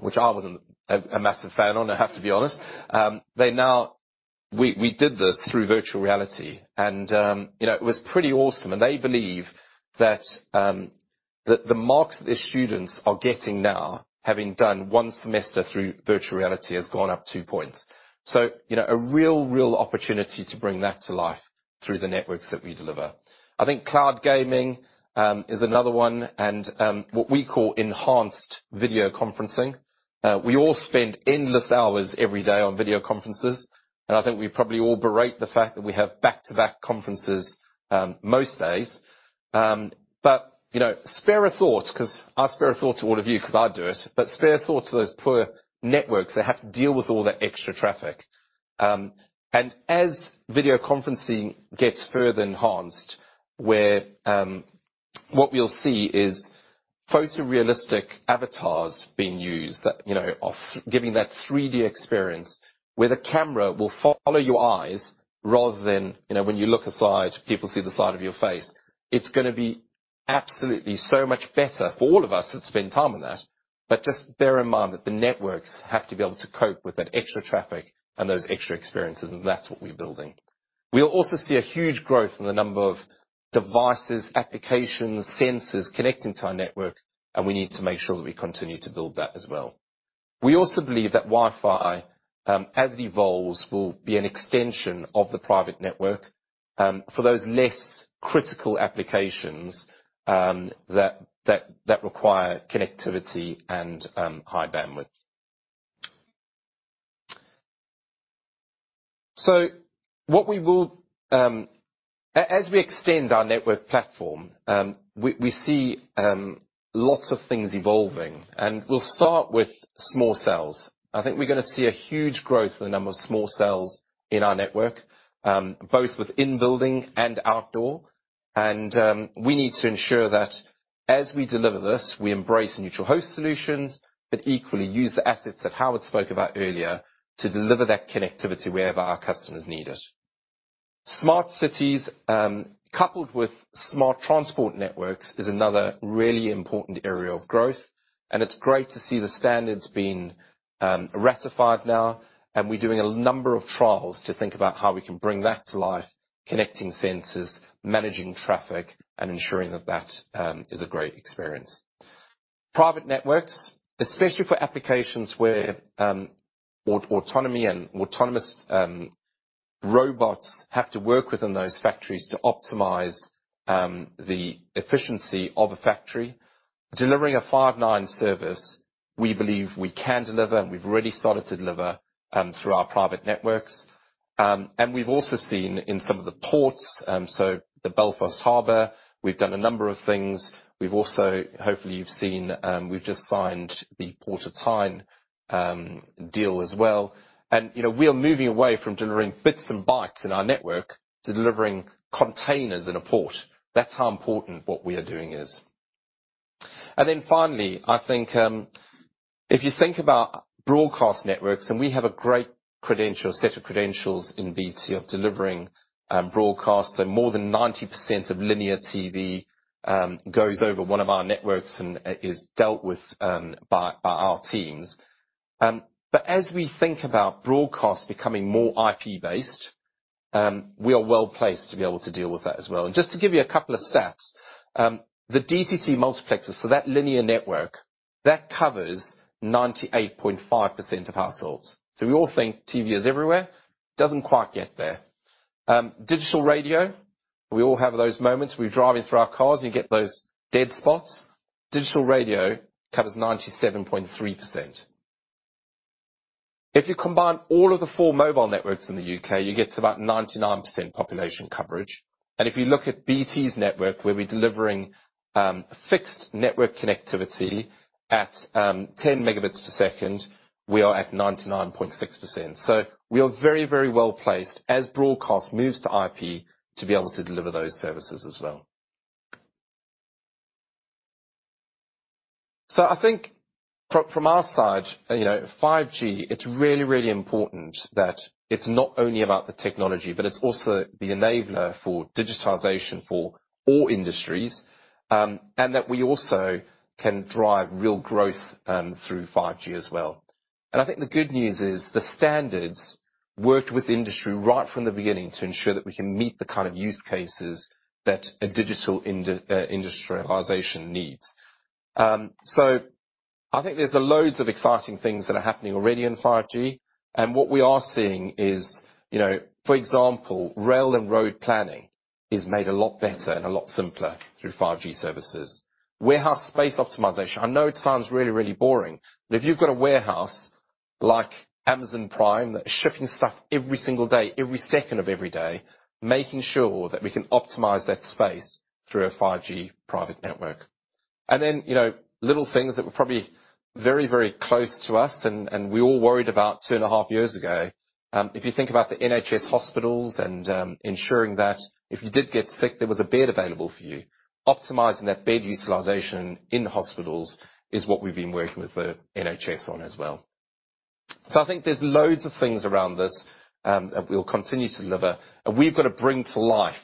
which I wasn't a massive fan of, I have to be honest, we did this through virtual reality and, you know, it was pretty awesome. They believe that the marks that the students are getting now, having done one semester through virtual reality has gone up two points. You know, a real opportunity to bring that to life through the networks that we deliver. I think cloud gaming is another one, and what we call enhanced video conferencing. We all spend endless hours every day on video conferences, and I think we probably all berate the fact that we have back-to-back conferences most days. You know, I spare a thought to all of you 'cause I do it, but spare a thought to those poor networks that have to deal with all that extra traffic. As video conferencing gets further enhanced, where what we'll see is photorealistic avatars being used that you know are giving that 3D experience, where the camera will follow your eyes rather than you know when you look aside, people see the side of your face. It's gonna be absolutely so much better for all of us that spend time on that. Just bear in mind that the networks have to be able to cope with that extra traffic and those extra experiences, and that's what we're building. We'll also see a huge growth in the number of devices, applications, sensors connecting to our network, and we need to make sure that we continue to build that as well. We also believe that Wi-Fi, as it evolves, will be an extension of the private network, for those less critical applications, that require connectivity and high bandwidth. As we extend our network platform, we see lots of things evolving, and we'll start with small cells. I think we're gonna see a huge growth in the number of small cells in our network, both within building and outdoor. We need to ensure that as we deliver this, we embrace neutral host solutions, but equally use the assets that Howard spoke about earlier to deliver that connectivity wherever our customers need it. Smart cities, coupled with smart transport networks is another really important area of growth, and it's great to see the standards being ratified now. We're doing a number of trials to think about how we can bring that to life, connecting sensors, managing traffic, and ensuring that is a great experience. Private networks, especially for applications where autonomy and autonomous robots have to work within those factories to optimize the efficiency of a factory. Delivering a five-nines service, we believe we can deliver, and we've already started to deliver through our private networks. We've also seen in some of the ports, so the Belfast Harbour, we've done a number of things. Hopefully you've seen, we've just signed the Port of Tyne deal as well. You know, we are moving away from delivering bits and bytes in our network to delivering containers in a port. That's how important what we are doing is. Finally, I think, if you think about broadcast networks, we have a great set of credentials in BT of delivering broadcasts. More than 90% of linear TV goes over one of our networks and is dealt with by our teams. As we think about broadcasts becoming more IP-based, we are well-placed to be able to deal with that as well. Just to give you a couple of stats, the DTT multiplexers for that linear network, that covers 98.5% of households. We all think TV is everywhere. Doesn't quite get there. Digital radio, we all have those moments. We're driving through our cars, and you get those dead spots. Digital radio covers 97.3%. If you combine all of the four mobile networks in the U.K., you get to about 99% population coverage. If you look at BT's network, where we're delivering fixed network connectivity at 10 Mbps, we are at 99.6%. We are very, very well-placed as broadcast moves to IP to be able to deliver those services as well. I think from our side, you know, 5G, it's really, really important that it's not only about the technology, but it's also the enabler for digitization for all industries, and that we also can drive real growth through 5G as well. I think the good news is the standards worked with industry right from the beginning to ensure that we can meet the kind of use cases that a digital industrialization needs. I think there's loads of exciting things that are happening already in 5G. What we are seeing is, you know, for example, rail and road planning is made a lot better and a lot simpler through 5G services. Warehouse space optimization. I know it sounds really, really boring, but if you've got a warehouse like Amazon Prime that's shipping stuff every single day, every second of every day, making sure that we can optimize that space through a 5G private network. Then, you know, little things that were probably very, very close to us and we all worried about two and half years ago, if you think about the NHS hospitals and ensuring that if you did get sick, there was a bed available for you. Optimizing that bed utilization in hospitals is what we've been working with the NHS on as well. I think there's loads of things around this, and we'll continue to deliver. We've got to bring to life,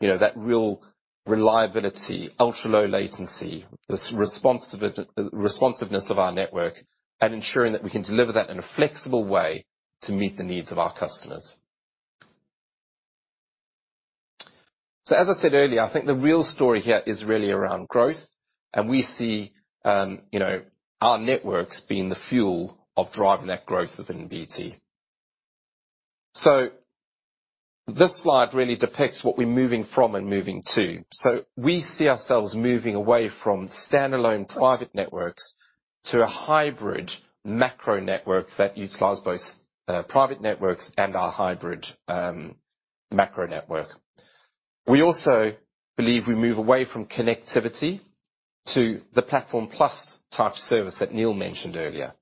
you know, that real reliability, ultra-low latency, responsiveness of our network and ensuring that we can deliver that in a flexible way to meet the needs of our customers. As I said earlier, I think the real story here is really around growth, and we see, you know, our networks being the fuel of driving that growth within BT. This slide really depicts what we're moving from and moving to. We see ourselves moving away from standalone private networks to a hybrid macro network that utilizes both, private networks and our hybrid, macro network. We also believe we move away from connectivity to the platform plus type service that Neil mentioned earlier.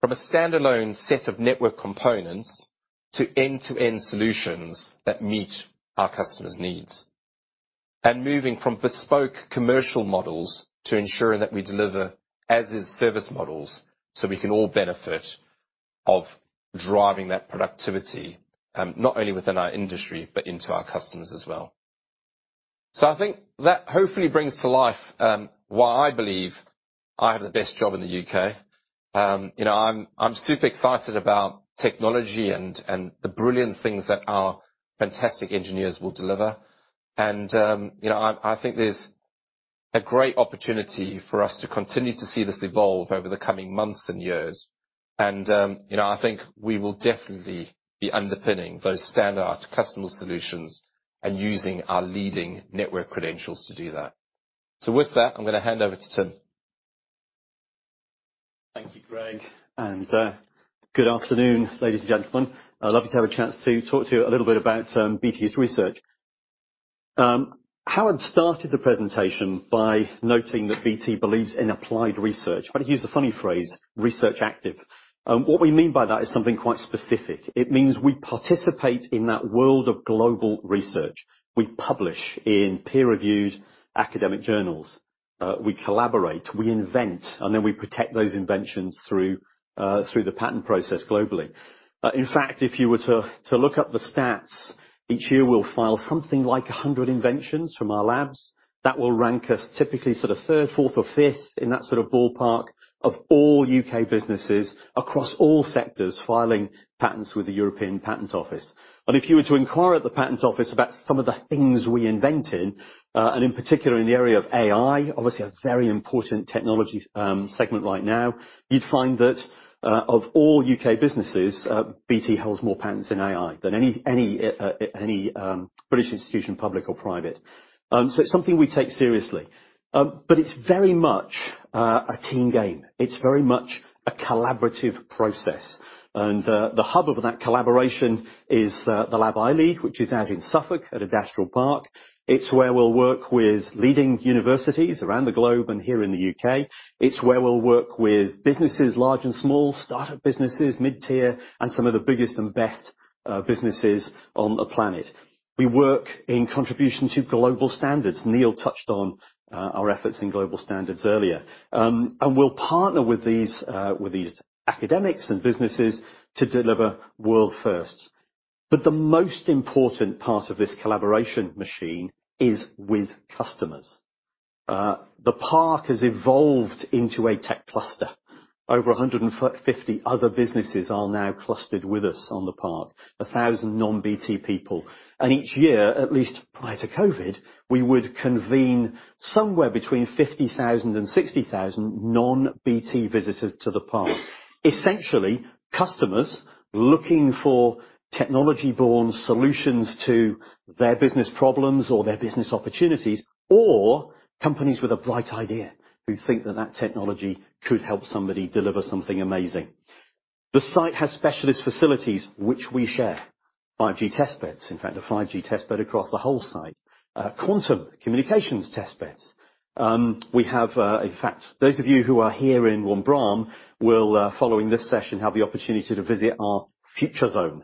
From a standalone set of network components to end-to-end solutions that meet our customers' needs. Moving from bespoke commercial models to ensuring that we deliver as-a-service models, so we can all benefit from driving that productivity, not only within our industry, but into our customers as well. I think that hopefully brings to life why I believe I have the best job in the U.K. You know, I'm super excited about technology and the brilliant things that our fantastic engineers will deliver. You know, I think there's a great opportunity for us to continue to see this evolve over the coming months and years. You know, I think we will definitely be underpinning those standard customer solutions and using our leading network credentials to do that. With that, I'm gonna hand over to Tim. Thank you, Greg, and good afternoon, ladies and gentlemen. I'd love to have a chance to talk to you a little bit about BT's research. Howard started the presentation by noting that BT believes in applied research, but he used a funny phrase, research active. What we mean by that is something quite specific. It means we participate in that world of global research. We publish in peer-reviewed academic journals. We collaborate, we invent, and then we protect those inventions through the patent process globally. In fact, if you were to look up the stats, each year, we'll file something like 100 inventions from our labs that will rank us typically sort of third, fourth or fifth in that sort of ballpark of all U.K. businesses across all sectors, filing patents with the European Patent Office. If you were to inquire at the patent office about some of the things we invented, and in particular in the area of AI, obviously a very important technology segment right now, you'd find that, of all U.K. businesses, BT holds more patents in AI than any British institution, public or private. So it's something we take seriously. But it's very much a team game. It's very much a collaborative process. The hub of that collaboration is the lab I lead, which is out in Suffolk at Adastral Park. It's where we'll work with leading universities around the globe and here in the U.K. It's where we'll work with businesses, large and small, startup businesses, mid-tier, and some of the biggest and best businesses on the planet. We work in contribution to global standards. Neil touched on our efforts in global standards earlier. We'll partner with these academics and businesses to deliver world-firsts. The most important part of this collaboration machine is with customers. The park has evolved into a tech cluster. Over 150 other businesses are now clustered with us on the park, 1,000 non-BT people. Each year, at least prior to COVID, we would convene somewhere between 50,000 and 60,000 non-BT visitors to the park. Essentially, customers looking for technology-born solutions to their business problems or their business opportunities, or companies with a bright idea who think that that technology could help somebody deliver something amazing. The site has specialist facilities, which we share, 5G testbeds. In fact, a 5G testbed across the whole site. Quantum communications testbeds. We have, in fact, those of you who are here in Wanborough will, following this session, have the opportunity to visit our future zone.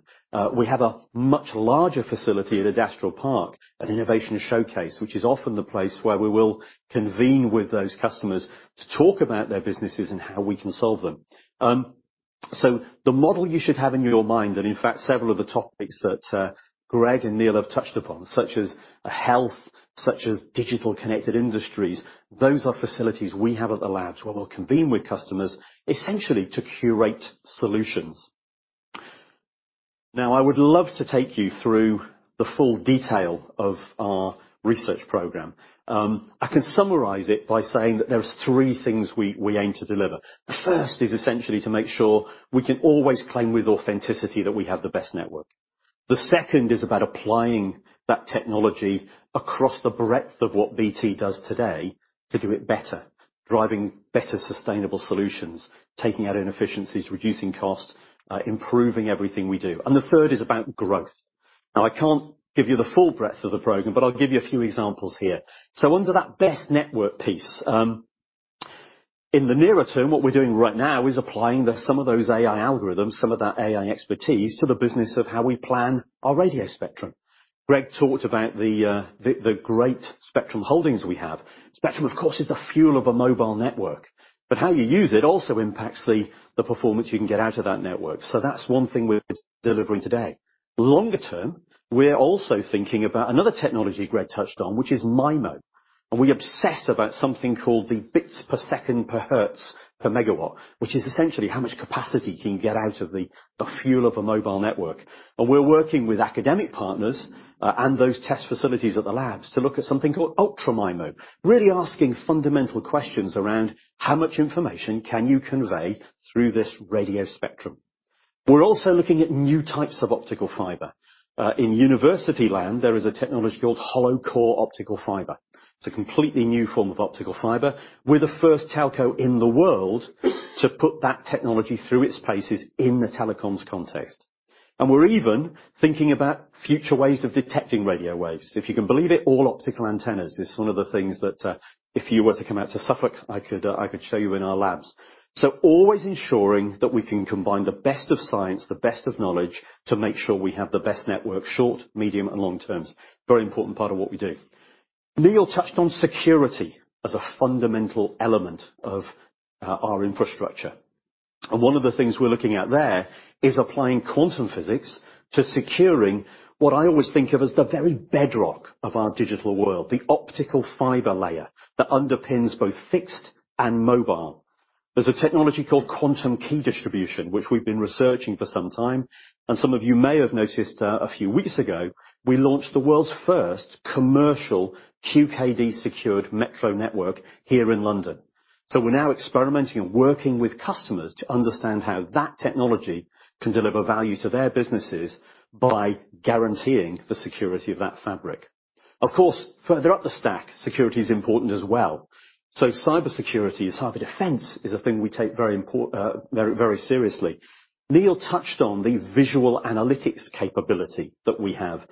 We have a much larger facility at Adastral Park, an innovation showcase, which is often the place where we will convene with those customers to talk about their businesses and how we can solve them. The model you should have in your mind, and in fact, several of the topics that Greg and Neil have touched upon, such as health, such as digital connected industries, those are facilities we have at the labs where we'll convene with customers essentially to curate solutions. Now, I would love to take you through the full detail of our research program. I can summarize it by saying that there's three things we aim to deliver. The first is essentially to make sure we can always claim with authenticity that we have the best network. The second is about applying that technology across the breadth of what BT does today to do it better, driving better sustainable solutions, taking out inefficiencies, reducing costs, improving everything we do. The third is about growth. Now, I can't give you the full breadth of the program, but I'll give you a few examples here. Under that best network piece, in the nearer term, what we're doing right now is applying some of those AI algorithms, some of that AI expertise to the business of how we plan our radio spectrum. Greg talked about the great spectrum holdings we have. Spectrum, of course, is the fuel of a mobile network, but how you use it also impacts the performance you can get out of that network. That's one thing we're delivering today. Longer term, we're also thinking about another technology Greg touched on, which is MIMO. We obsess about something called the bits per second per hertz per megawatt, which is essentially how much capacity can you get out of the fuel of a mobile network. We're working with academic partners, and those test facilities at the labs to look at something called Ultra MIMO. Really asking fundamental questions around how much information can you convey through this radio spectrum. We're also looking at new types of optical fiber. In university land, there is a technology called hollow-core optical fiber. It's a completely new form of optical fiber. We're the first telco in the world to put that technology through its paces in the telecoms context. We're even thinking about future ways of detecting radio waves. If you can believe it, all optical antennas is one of the things that if you were to come out to Suffolk, I could show you in our labs. Always ensuring that we can combine the best of science, the best of knowledge to make sure we have the best network, short, medium, and long terms. Very important part of what we do. Neil touched on security as a fundamental element of our infrastructure. One of the things we're looking at there is applying quantum physics to securing what I always think of as the very bedrock of our digital world, the optical fiber layer that underpins both fixed and mobile. There's a technology called quantum key distribution, which we've been researching for some time, and some of you may have noticed a few weeks ago, we launched the world's first commercial QKD secured metro network here in London. We're now experimenting and working with customers to understand how that technology can deliver value to their businesses by guaranteeing the security of that fabric. Of course, further up the stack, security is important as well. Cybersecurity is how the defense is a thing we take very seriously. Neil touched on the visual analytics capability that we have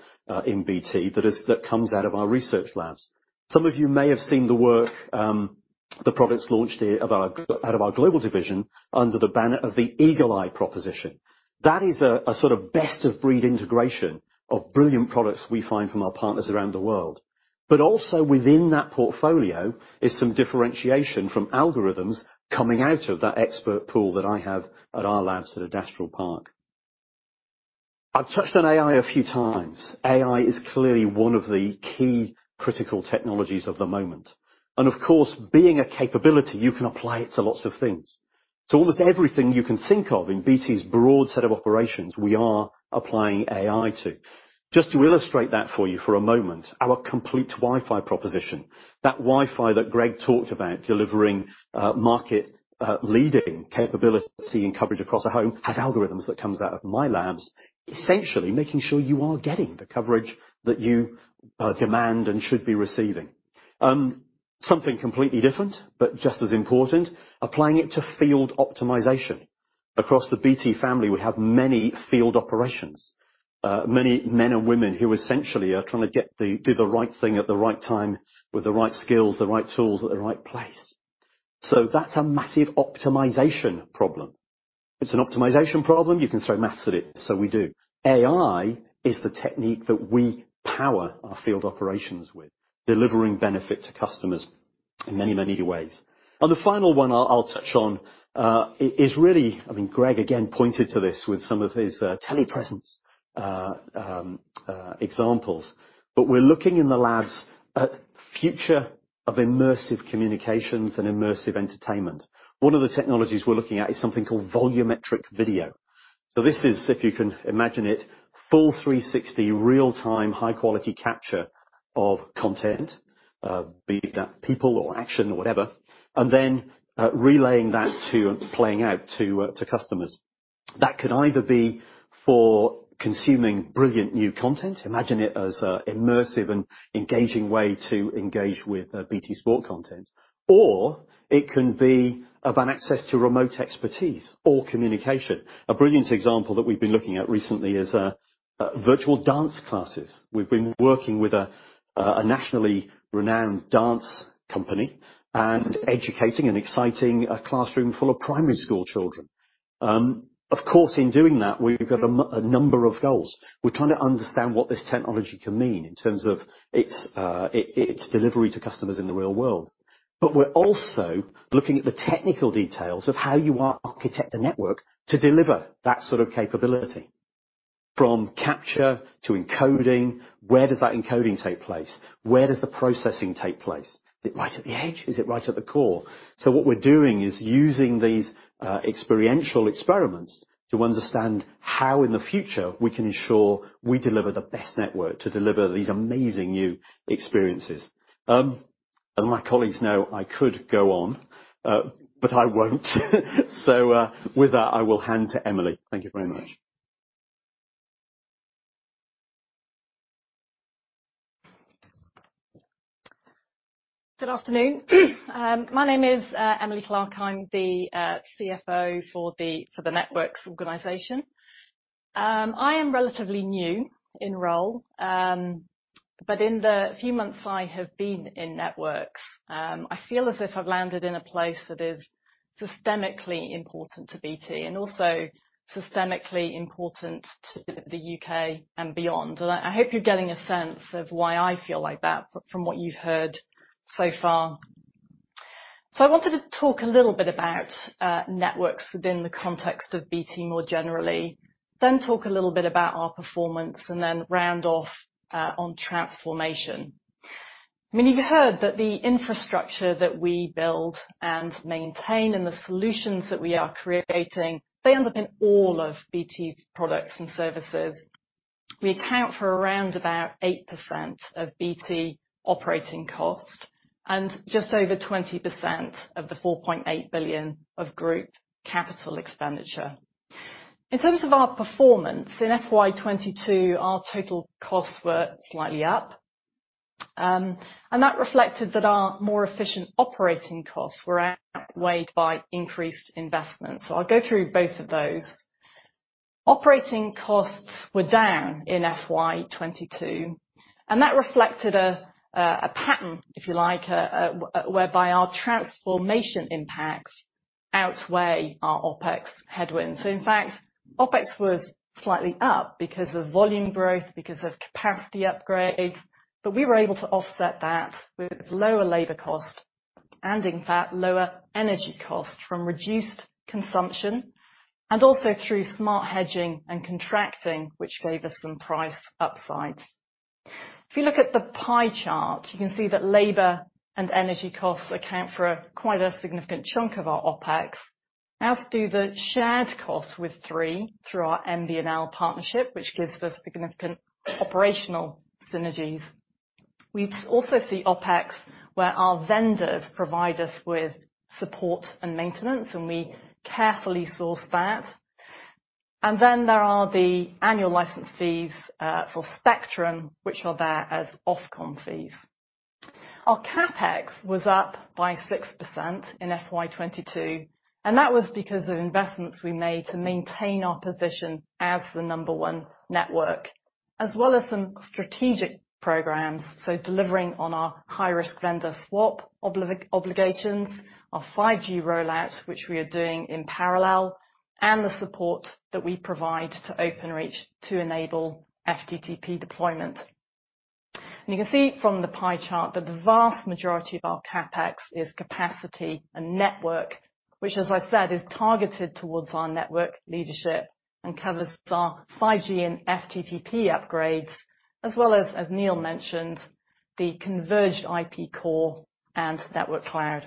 in BT. That comes out of our research labs. Some of you may have seen the work, the products launched here out of our BT Global division under the banner of the Eagle-i proposition. That is a sort of best-of-breed integration of brilliant products we find from our partners around the world. Also within that portfolio is some differentiation from algorithms coming out of that expert pool that I have at our labs at Adastral Park. I've touched on AI a few times. AI is clearly one of the key critical technologies of the moment. Of course, being a capability, you can apply it to lots of things. Almost everything you can think of in BT's broad set of operations, we are applying AI to. Just to illustrate that for you for a moment, our Complete Wi-Fi proposition, that Wi-Fi that Greg talked about, delivering market leading capability and coverage across a home, has algorithms that comes out of my labs, essentially making sure you are getting the coverage that you demand and should be receiving. Something completely different, but just as important, applying it to field optimization. Across the BT family we have many field operations, many men and women who essentially are trying to do the right thing at the right time with the right skills, the right tools, at the right place. That's a massive optimization problem. If it's an optimization problem, you can throw math at it. We do. AI is the technique that we power our field operations with, delivering benefit to customers in many, many ways. The final one I'll touch on is really, I mean, Greg again pointed to this with some of his telepresence examples. We're looking in the labs at future of immersive communications and immersive entertainment. One of the technologies we're looking at is something called volumetric video. This is, if you can imagine it, full 360 real-time high-quality capture of content, be that people or action or whatever, and then, relaying that to and playing out to customers. That could either be for consuming brilliant new content. Imagine it as an immersive and engaging way to engage with, BT Sport content, or it can be about access to remote expertise or communication. A brilliant example that we've been looking at recently is, virtual dance classes. We've been working with a nationally renowned dance company and educating and exciting a classroom full of primary school children. Of course, in doing that, we've got a number of goals. We're trying to understand what this technology can mean in terms of its delivery to customers in the real world. We're also looking at the technical details of how you architect a network to deliver that sort of capability, from capture to encoding. Where does that encoding take place? Where does the processing take place? Is it right at the edge? Is it right at the core? What we're doing is using these experiential experiments to understand how in the future we can ensure we deliver the best network to deliver these amazing new experiences. As my colleagues know, I could go on, but I won't. With that, I will hand to Emily. Thank you very much. Good afternoon. My name is Emily Clark. I'm the CFO for the networks organization. I am relatively new in role. But in the few months I have been in networks, I feel as if I've landed in a place that is systemically important to BT and also systemically important to the U.K. And beyond. I hope you're getting a sense of why I feel like that from what you've heard so far. I wanted to talk a little bit about networks within the context of BT more generally, then talk a little bit about our performance, and then round off on transformation. I mean, you've heard that the infrastructure that we build and maintain and the solutions that we are creating, they end up in all of BT's products and services. We account for around about 8% of BT operating costs and just over 20% of the 4.8 billion of group capital expenditure. In terms of our performance, in FY 2022, our total costs were slightly up. That reflected that our more efficient operating costs were outweighed by increased investments. I'll go through both of those. Operating costs were down in FY 2022, and that reflected a pattern, if you like, whereby our transformation impacts outweigh our OpEx headwinds. In fact, OpEx was slightly up because of volume growth, because of capacity upgrades, but we were able to offset that with lower labor costs and in fact, lower energy costs from reduced consumption and also through smart hedging and contracting, which gave us some price upsides. If you look at the pie chart, you can see that labor and energy costs account for quite a significant chunk of our OpEx, as do the shared costs with Three through our MBNL partnership, which gives us significant operational synergies. We also see OpEx, where our vendors provide us with support and maintenance, and we carefully source that. There are the annual license fees for spectrum, which are there as Ofcom fees. Our CapEx was up by 6% in FY 2022, and that was because of investments we made to maintain our position as the number one network, as well as some strategic programs, so delivering on our high-risk vendor swap obligations, our 5G rollout, which we are doing in parallel, and the support that we provide to Openreach to enable FTTP deployment. You can see from the pie chart that the vast majority of our CapEx is capacity and network, which as I said, is targeted towards our network leadership and covers our 5G and FTTP upgrades, as well as Neil mentioned, the converged IP core and Network Cloud.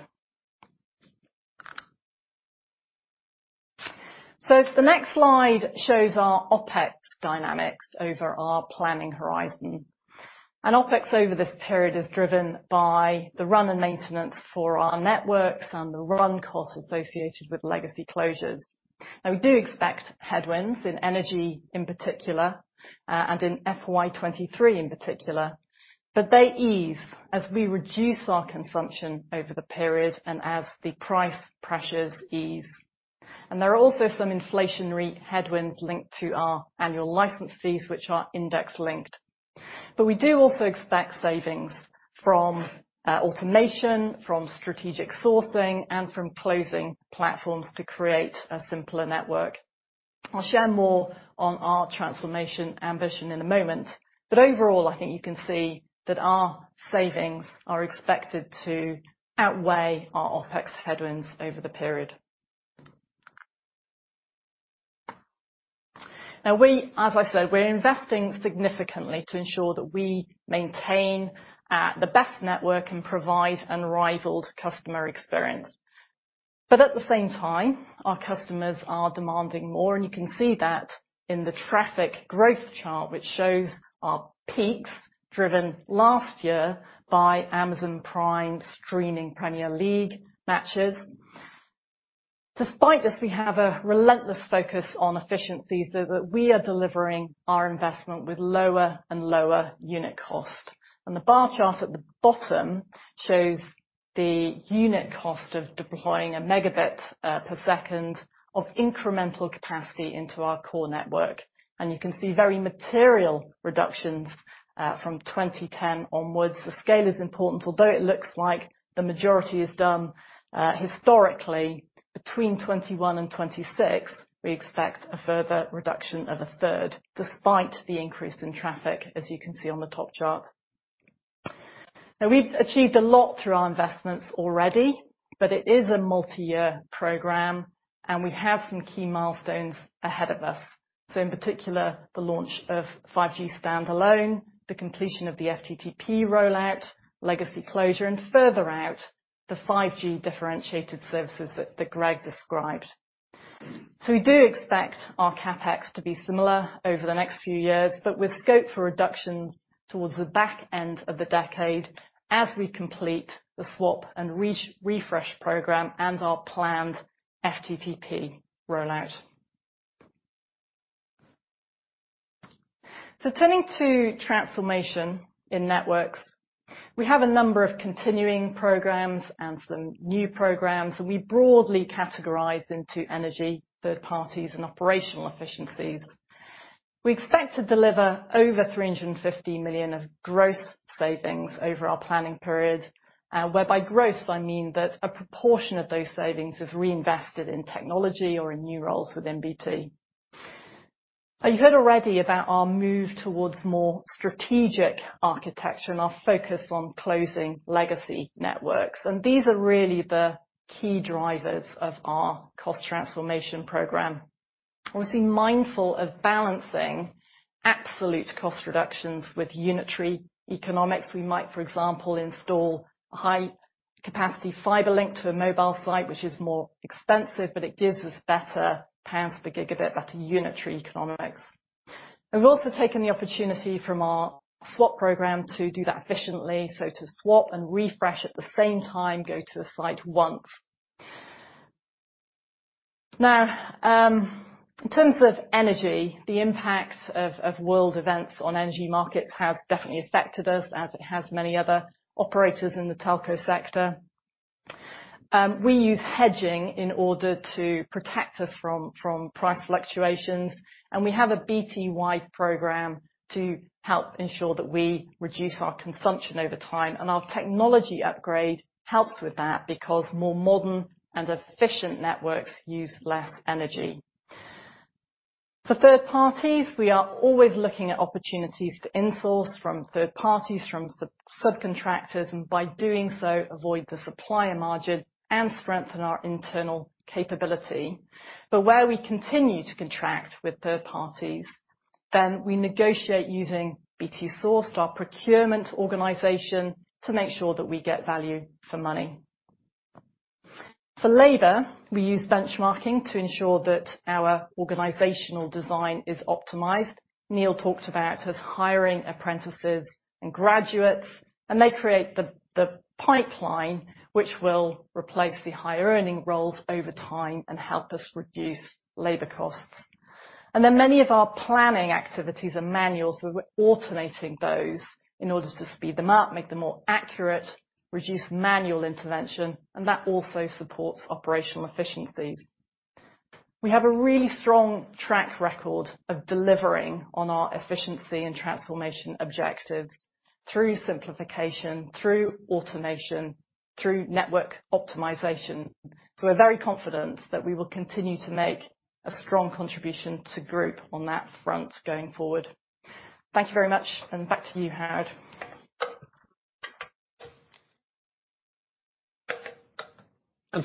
The next slide shows our OpEx dynamics over our planning horizon. OpEx over this period is driven by the run and maintenance for our networks and the run costs associated with legacy closures. Now we do expect headwinds in energy in particular, and in FY 2023 in particular, but they ease as we reduce our consumption over the period and as the price pressures ease. There are also some inflationary headwinds linked to our annual license fees, which are index-linked. We do also expect savings from automation, from strategic sourcing, and from closing platforms to create a simpler network. I'll share more on our transformation ambition in a moment, but overall, I think you can see that our savings are expected to outweigh our OpEx headwinds over the period. Now we, as I said, we're investing significantly to ensure that we maintain the best network and provide unrivaled customer experience. At the same time, our customers are demanding more, and you can see that in the traffic growth chart, which shows our peaks driven last year by Amazon Prime streaming Premier League matches. Despite this, we have a relentless focus on efficiencies so that we are delivering our investment with lower and lower unit cost. The bar chart at the bottom shows the unit cost of deploying a megabit per second of incremental capacity into our core network. You can see very material reductions from 2010 onwards. The scale is important. Although it looks like the majority is done historically, between 2021 and 2026, we expect a further reduction of a third, despite the increase in traffic, as you can see on the top chart. Now, we've achieved a lot through our investments already, but it is a multi-year program, and we have some key milestones ahead of us. In particular, the launch of 5G standalone, the completion of the FTTP rollout, legacy closure, and further out, the 5G differentiated services that Greg described. We do expect our CapEx to be similar over the next few years, but with scope for reductions towards the back end of the decade as we complete the swap and re-refresh program and our planned FTTP rollout. Turning to transformation in networks. We have a number of continuing programs and some new programs, and we broadly categorize into energy, third parties, and operational efficiencies. We expect to deliver over 350 million of gross savings over our planning period, whereby gross I mean that a proportion of those savings is reinvested in technology or in new roles within BT. You've heard already about our move towards more strategic architecture and our focus on closing legacy networks. These are really the key drivers of our cost transformation program. Obviously, mindful of balancing absolute cost reductions with unitary economics. We might, for example, install high-capacity fiber link to a mobile site, which is more expensive, but it gives us better GBP per gigabit, better unit economics. We've also taken the opportunity from our swap program to do that efficiently, so to swap and refresh at the same time, go to the site once. Now, in terms of energy, the impact of world events on energy markets have definitely affected us as it has many other operators in the telco sector. We use hedging in order to protect us from price fluctuations, and we have a BT-wide program to help ensure that we reduce our consumption over time. Our technology upgrade helps with that because more modern and efficient networks use less energy. For third parties, we are always looking at opportunities to in-source from third parties, from sub-subcontractors, and by doing so, avoid the supplier margin and strengthen our internal capability. Where we continue to contract with third parties, then we negotiate using BT Sourced, our procurement organization, to make sure that we get value for money. For labor, we use benchmarking to ensure that our organizational design is optimized. Neil talked about us hiring apprentices and graduates, and they create the pipeline, which will replace the higher earning roles over time and help us reduce labor costs. Many of our planning activities are manual, so we're automating those in order to speed them up, make them more accurate, reduce manual intervention, and that also supports operational efficiencies. We have a really strong track record of delivering on our efficiency and transformation objectives through simplification, through automation, through network optimization. We're very confident that we will continue to make a strong contribution to group on that front going forward. Thank you very much. Back to you, Howard.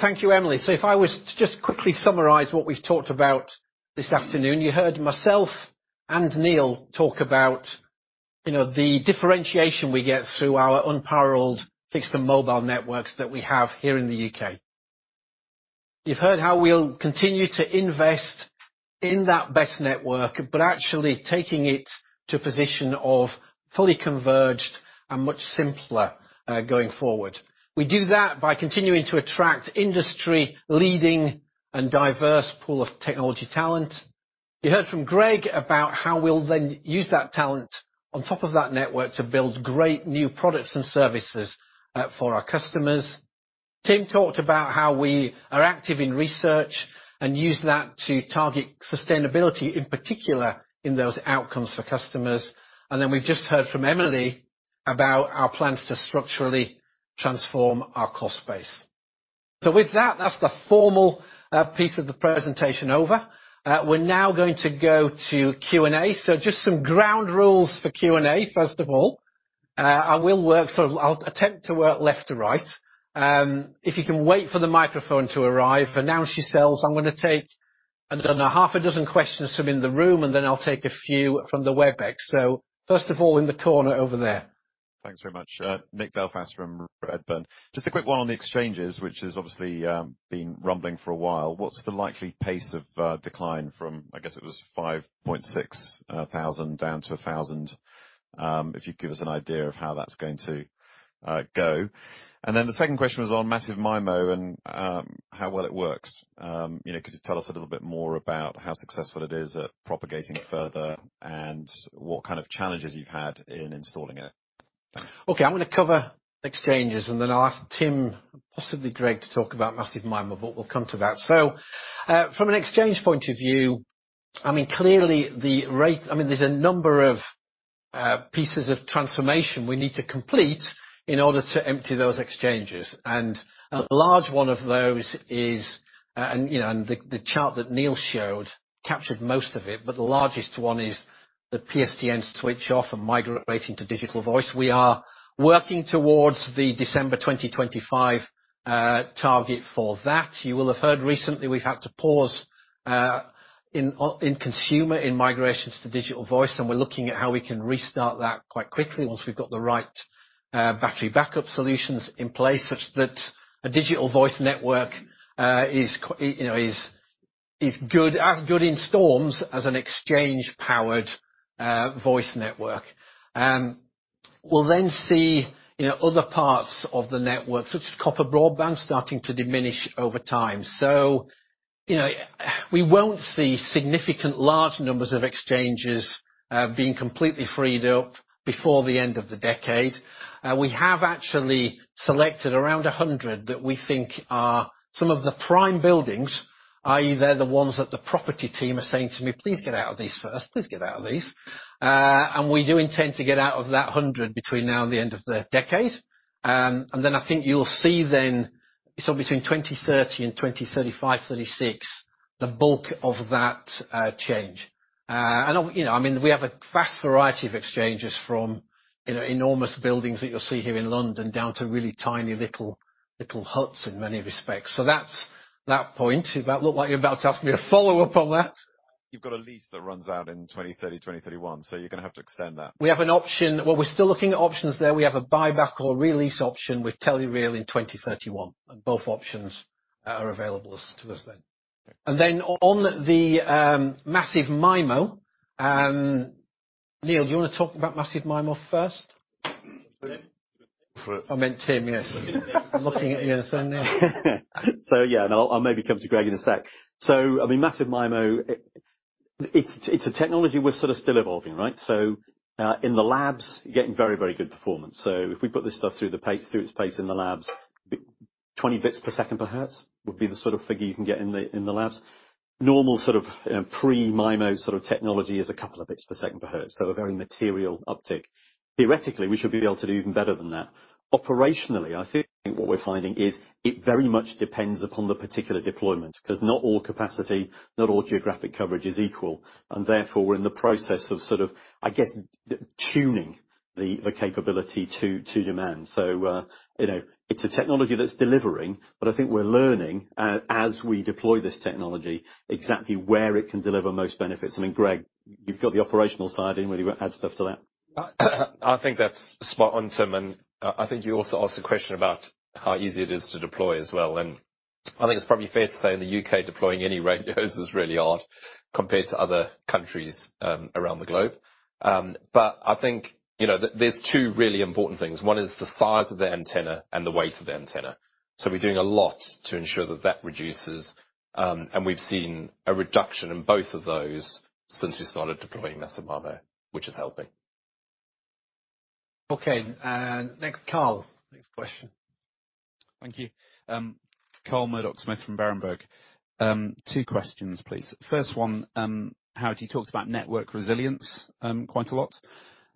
Thank you, Emily. If I was to just quickly summarize what we've talked about this afternoon. You heard myself and Neil talk about, you know, the differentiation we get through our unparalleled fixed and mobile networks that we have here in the U.K. You've heard how we'll continue to invest in that best network, but actually taking it to a position of fully converged and much simpler, going forward. We do that by continuing to attract industry-leading and diverse pool of technology talent. You heard from Greg about how we'll then use that talent on top of that network to build great new products and services, for our customers. Tim talked about how we are active in research and use that to target sustainability, in particular, in those outcomes for customers. We've just heard from Emily about our plans to structurally transform our cost base. With that's the formal piece of the presentation over. We're now going to go to Q&A. Just some ground rules for Q&A, first of all. I'll attempt to work left to right. If you can wait for the microphone to arrive. Announce yourselves. I'm gonna take, I don't know, half a dozen questions from in the room, and then I'll take a few from the Webex. First of all, in the corner over there. Thanks very much. Nick Delfas from Redburn. Just a quick one on the exchanges, which has obviously been rumbling for a while. What's the likely pace of decline from, I guess it was 5,600 down to 1,000? If you could give us an idea of how that's going to go. And then the second question was on massive MIMO and how well it works. You know, could you tell us a little bit more about how successful it is at propagating it further and what kind of challenges you've had in installing it? Thanks. Okay, I'm gonna cover exchanges, and then I'll ask Tim, possibly Greg, to talk about massive MIMO, but we'll come to that. From an exchange point of view, I mean, there's a number of pieces of transformation we need to complete in order to empty those exchanges. A large one of those is, you know, the chart that Neil showed captured most of it, but the largest one is the PSTN switch off and migrate into Digital Voice. We are working towards the December 2025 target for that. You will have heard recently, we've had to pause in consumer migrations to Digital Voice, and we're looking at how we can restart that quite quickly once we've got the right battery backup solutions in place, such that a Digital Voice network is, you know, as good in storms as an exchange-powered voice network. We'll then see, you know, other parts of the network, such as copper broadband, starting to diminish over time. You know, we won't see significant large numbers of exchanges being completely freed up before the end of the decade. We have actually selected around 100 that we think are some of the prime buildings, i.e., they're the ones that the property team are saying to me, "Please get out of these first. Please get out of these." We do intend to get out of that 100 between now and the end of the decade. Then I think you'll see then, sort of between 2030 and 2035, 2036, the bulk of that change. You know, I mean, we have a vast variety of exchanges from, you know, enormous buildings that you'll see here in London down to really tiny little huts in many respects. So that's that point. That looked like you're about to ask me a follow-up on that. You've got a lease that runs out in 2030, 2031, so you're gonna have to extend that. We have an option. Well, we're still looking at options there. We have a buyback or re-lease option with Telereal Trillium in 2031. Both options are available to us then. On the massive MIMO, Neil, do you wanna talk about massive MIMO first? Tim. I meant Tim, yes. I'm looking at you, so, Neil. Yeah, and I'll maybe come to Greg in a sec. I mean, massive MIMO, it's a technology we're sorta still evolving, right? In the labs, you're getting very, very good performance. If we put this stuff through its paces in the labs, 20 bits per second per hertz would be the sort of figure you can get in the labs. Normal sort of pre-MIMO sort of technology is a couple of bits per second per hertz, so a very material uptick. Theoretically, we should be able to do even better than that. Operationally, I think what we're finding is it very much depends upon the particular deployment, 'cause not all capacity, not all geographic coverage is equal. Therefore, we're in the process of sort of, I guess, tuning the capability to demand. You know, it's a technology that's delivering, but I think we're learning as we deploy this technology exactly where it can deliver most benefits. I mean, Greg, you've got the operational side. Anything you wanna add stuff to that? I think that's spot on, Tim, and I think you also asked a question about how easy it is to deploy as well. I think it's probably fair to say in the U.K., deploying any radios is really hard compared to other countries around the globe. I think, you know, there's two really important things. One is the size of the antenna and the weight of the antenna. We're doing a lot to ensure that that reduces, and we've seen a reduction in both of those since we started deploying massive MIMO, which is helping. Okay. Next, Carl. Next question. Thank you. Carl Murdock-Smith from Berenberg. Two questions, please. First one, Howard, you talked about network resilience quite a lot.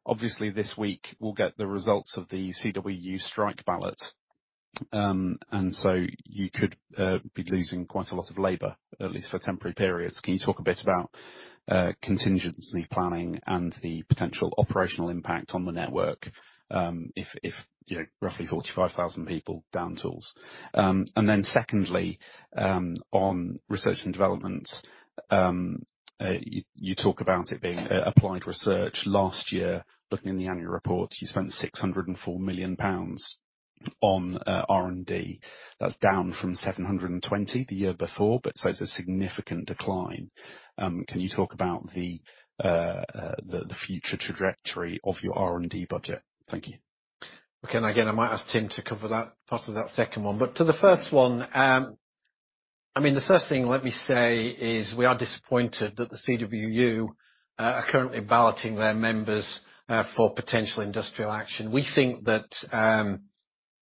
Obviously, this week we'll get the results of the CWU strike ballot. You could be losing quite a lot of labor, at least for temporary periods. Can you talk a bit about contingency planning and the potential operational impact on the network if roughly 45,000 people down tools? Secondly, on research and development, you talk about it being applied research. Last year, looking in the annual report, you spent 604 million pounds on R&D. That's down from 720 million the year before, so it's a significant decline. Can you talk about the future trajectory of your R&D budget? Thank you. Okay. I might ask Tim to cover that part of that second one. To the first one, I mean, the first thing let me say is we are disappointed that the CWU are currently balloting their members for potential industrial action. We think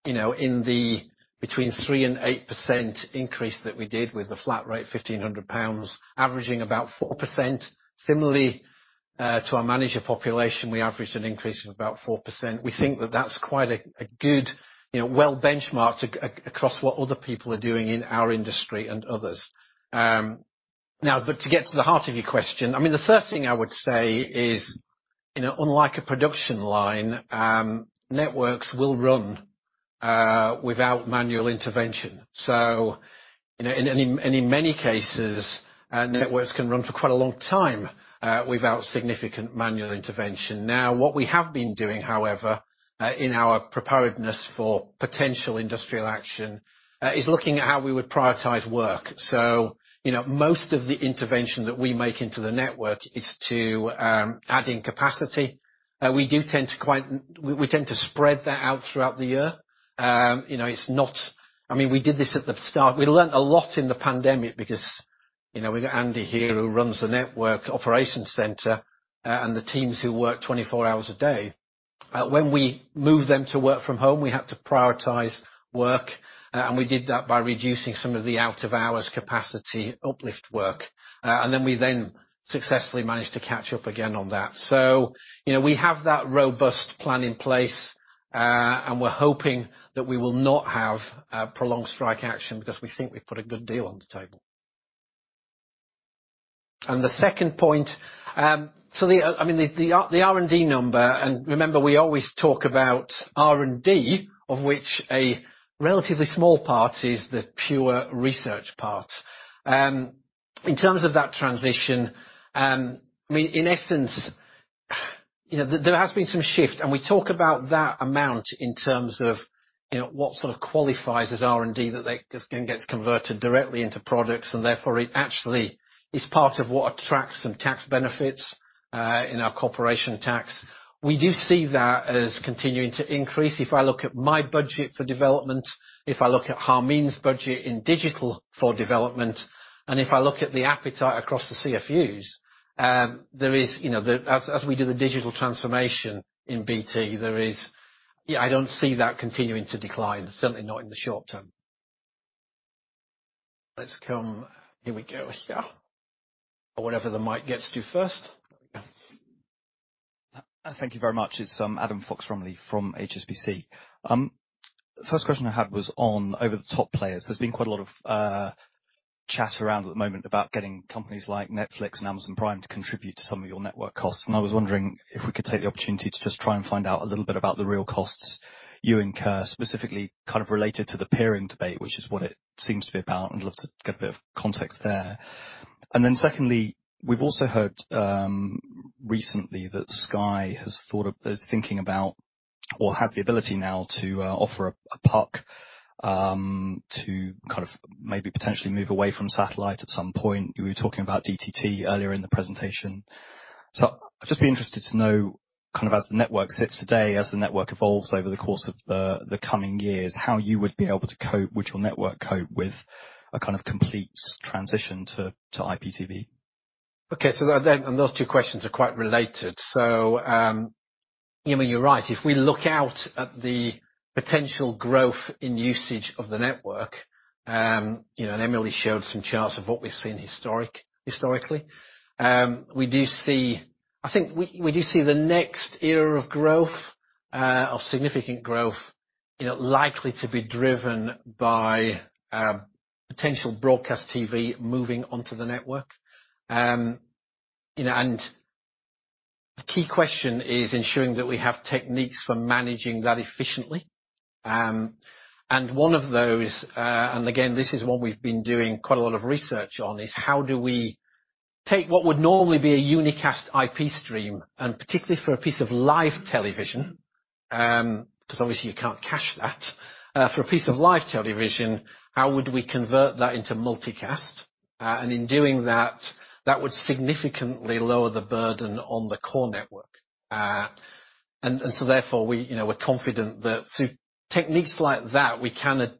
that, you know, in the between 3% and 8% increase that we did with the flat rate 1,500 pounds, averaging about 4%. Similarly, to our manager population, we averaged an increase of about 4%. We think that that's quite a good, you know, well-benchmarked across what other people are doing in our industry and others. Now to get to the heart of your question, I mean, the first thing I would say is, you know, unlike a production line, networks will run without manual intervention. You know, in many cases, networks can run for quite a long time without significant manual intervention. Now, what we have been doing, however, in our preparedness for potential industrial action, is looking at how we would prioritize work. You know, most of the intervention that we make into the network is to add in capacity. We tend to spread that out throughout the year. You know, it's not. I mean, we did this at the start. We learned a lot in the pandemic because, you know, we've got Andy here who runs the network operations center, and the teams who work 24 hours a day. When we moved them to work from home, we had to prioritize work, and we did that by reducing some of the out of hours capacity uplift work. Then we successfully managed to catch up again on that. You know, we have that robust plan in place, and we're hoping that we will not have a prolonged strike action because we think we've put a good deal on the table. The second point, I mean, the R&D number, and remember, we always talk about R&D, of which a relatively small part is the pure research part. In terms of that transition, I mean, in essence, you know, there has been some shift, and we talk about that amount in terms of, you know, what sort of qualifies as R&D that they, this then gets converted directly into products, and therefore it actually is part of what attracts some tax benefits in our corporation tax. We do see that as continuing to increase. If I look at my budget for development, if I look at Harmeen's budget in digital for development, and if I look at the appetite across the CFUs, there is, you know, as we do the digital transformation in BT, there is. Yeah, I don't see that continuing to decline, certainly not in the short term. Or whatever the mic gets to first. Thank you very much. It's Adam Fox-Rumley from HSBC. First question I had was on over-the-top players. There's been quite a lot of chat around at the moment about getting companies like Netflix and Amazon Prime to contribute to some of your network costs, and I was wondering if we could take the opportunity to just try and find out a little bit about the real costs you incur, specifically kind of related to the peering debate, which is what it seems to be about. I'd love to get a bit of context there. Secondly, we've also heard recently that Sky is thinking about or has the ability now to offer a puck to kind of maybe potentially move away from satellite at some point. We were talking about DTT earlier in the presentation. I'd just be interested to know, kind of as the network sits today, as the network evolves over the course of the coming years, would your network cope with a kind of complete transition to IPTV? Those two questions are quite related. You know, you're right. If we look out at the potential growth in usage of the network, you know, and Emily showed some charts of what we've seen historically. We do see. I think we do see the next era of growth of significant growth, you know, likely to be driven by potential broadcast TV moving onto the network. You know, the key question is ensuring that we have techniques for managing that efficiently. One of those, again, this is one we've been doing quite a lot of research on, is how do we take what would normally be a unicast IP stream, and particularly for a piece of live television, 'cause obviously you can't cache that. For a piece of live television, how would we convert that into multicast? In doing that would significantly lower the burden on the core network. Therefore we, you know, we're confident that through techniques like that, we can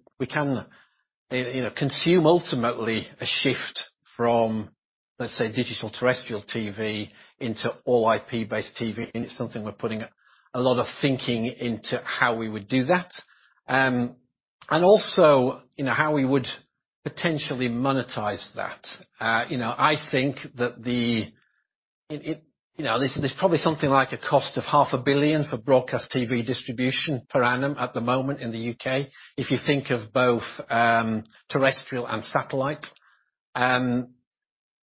consume ultimately a shift from, let's say, digital terrestrial TV into all IP-based TV, and it's something we're putting a lot of thinking into how we would do that. You know, how we would potentially monetize that. You know, I think that there's probably something like a cost of 500 million for broadcast TV distribution per annum at the moment in the U.K., if you think of both terrestrial and satellite.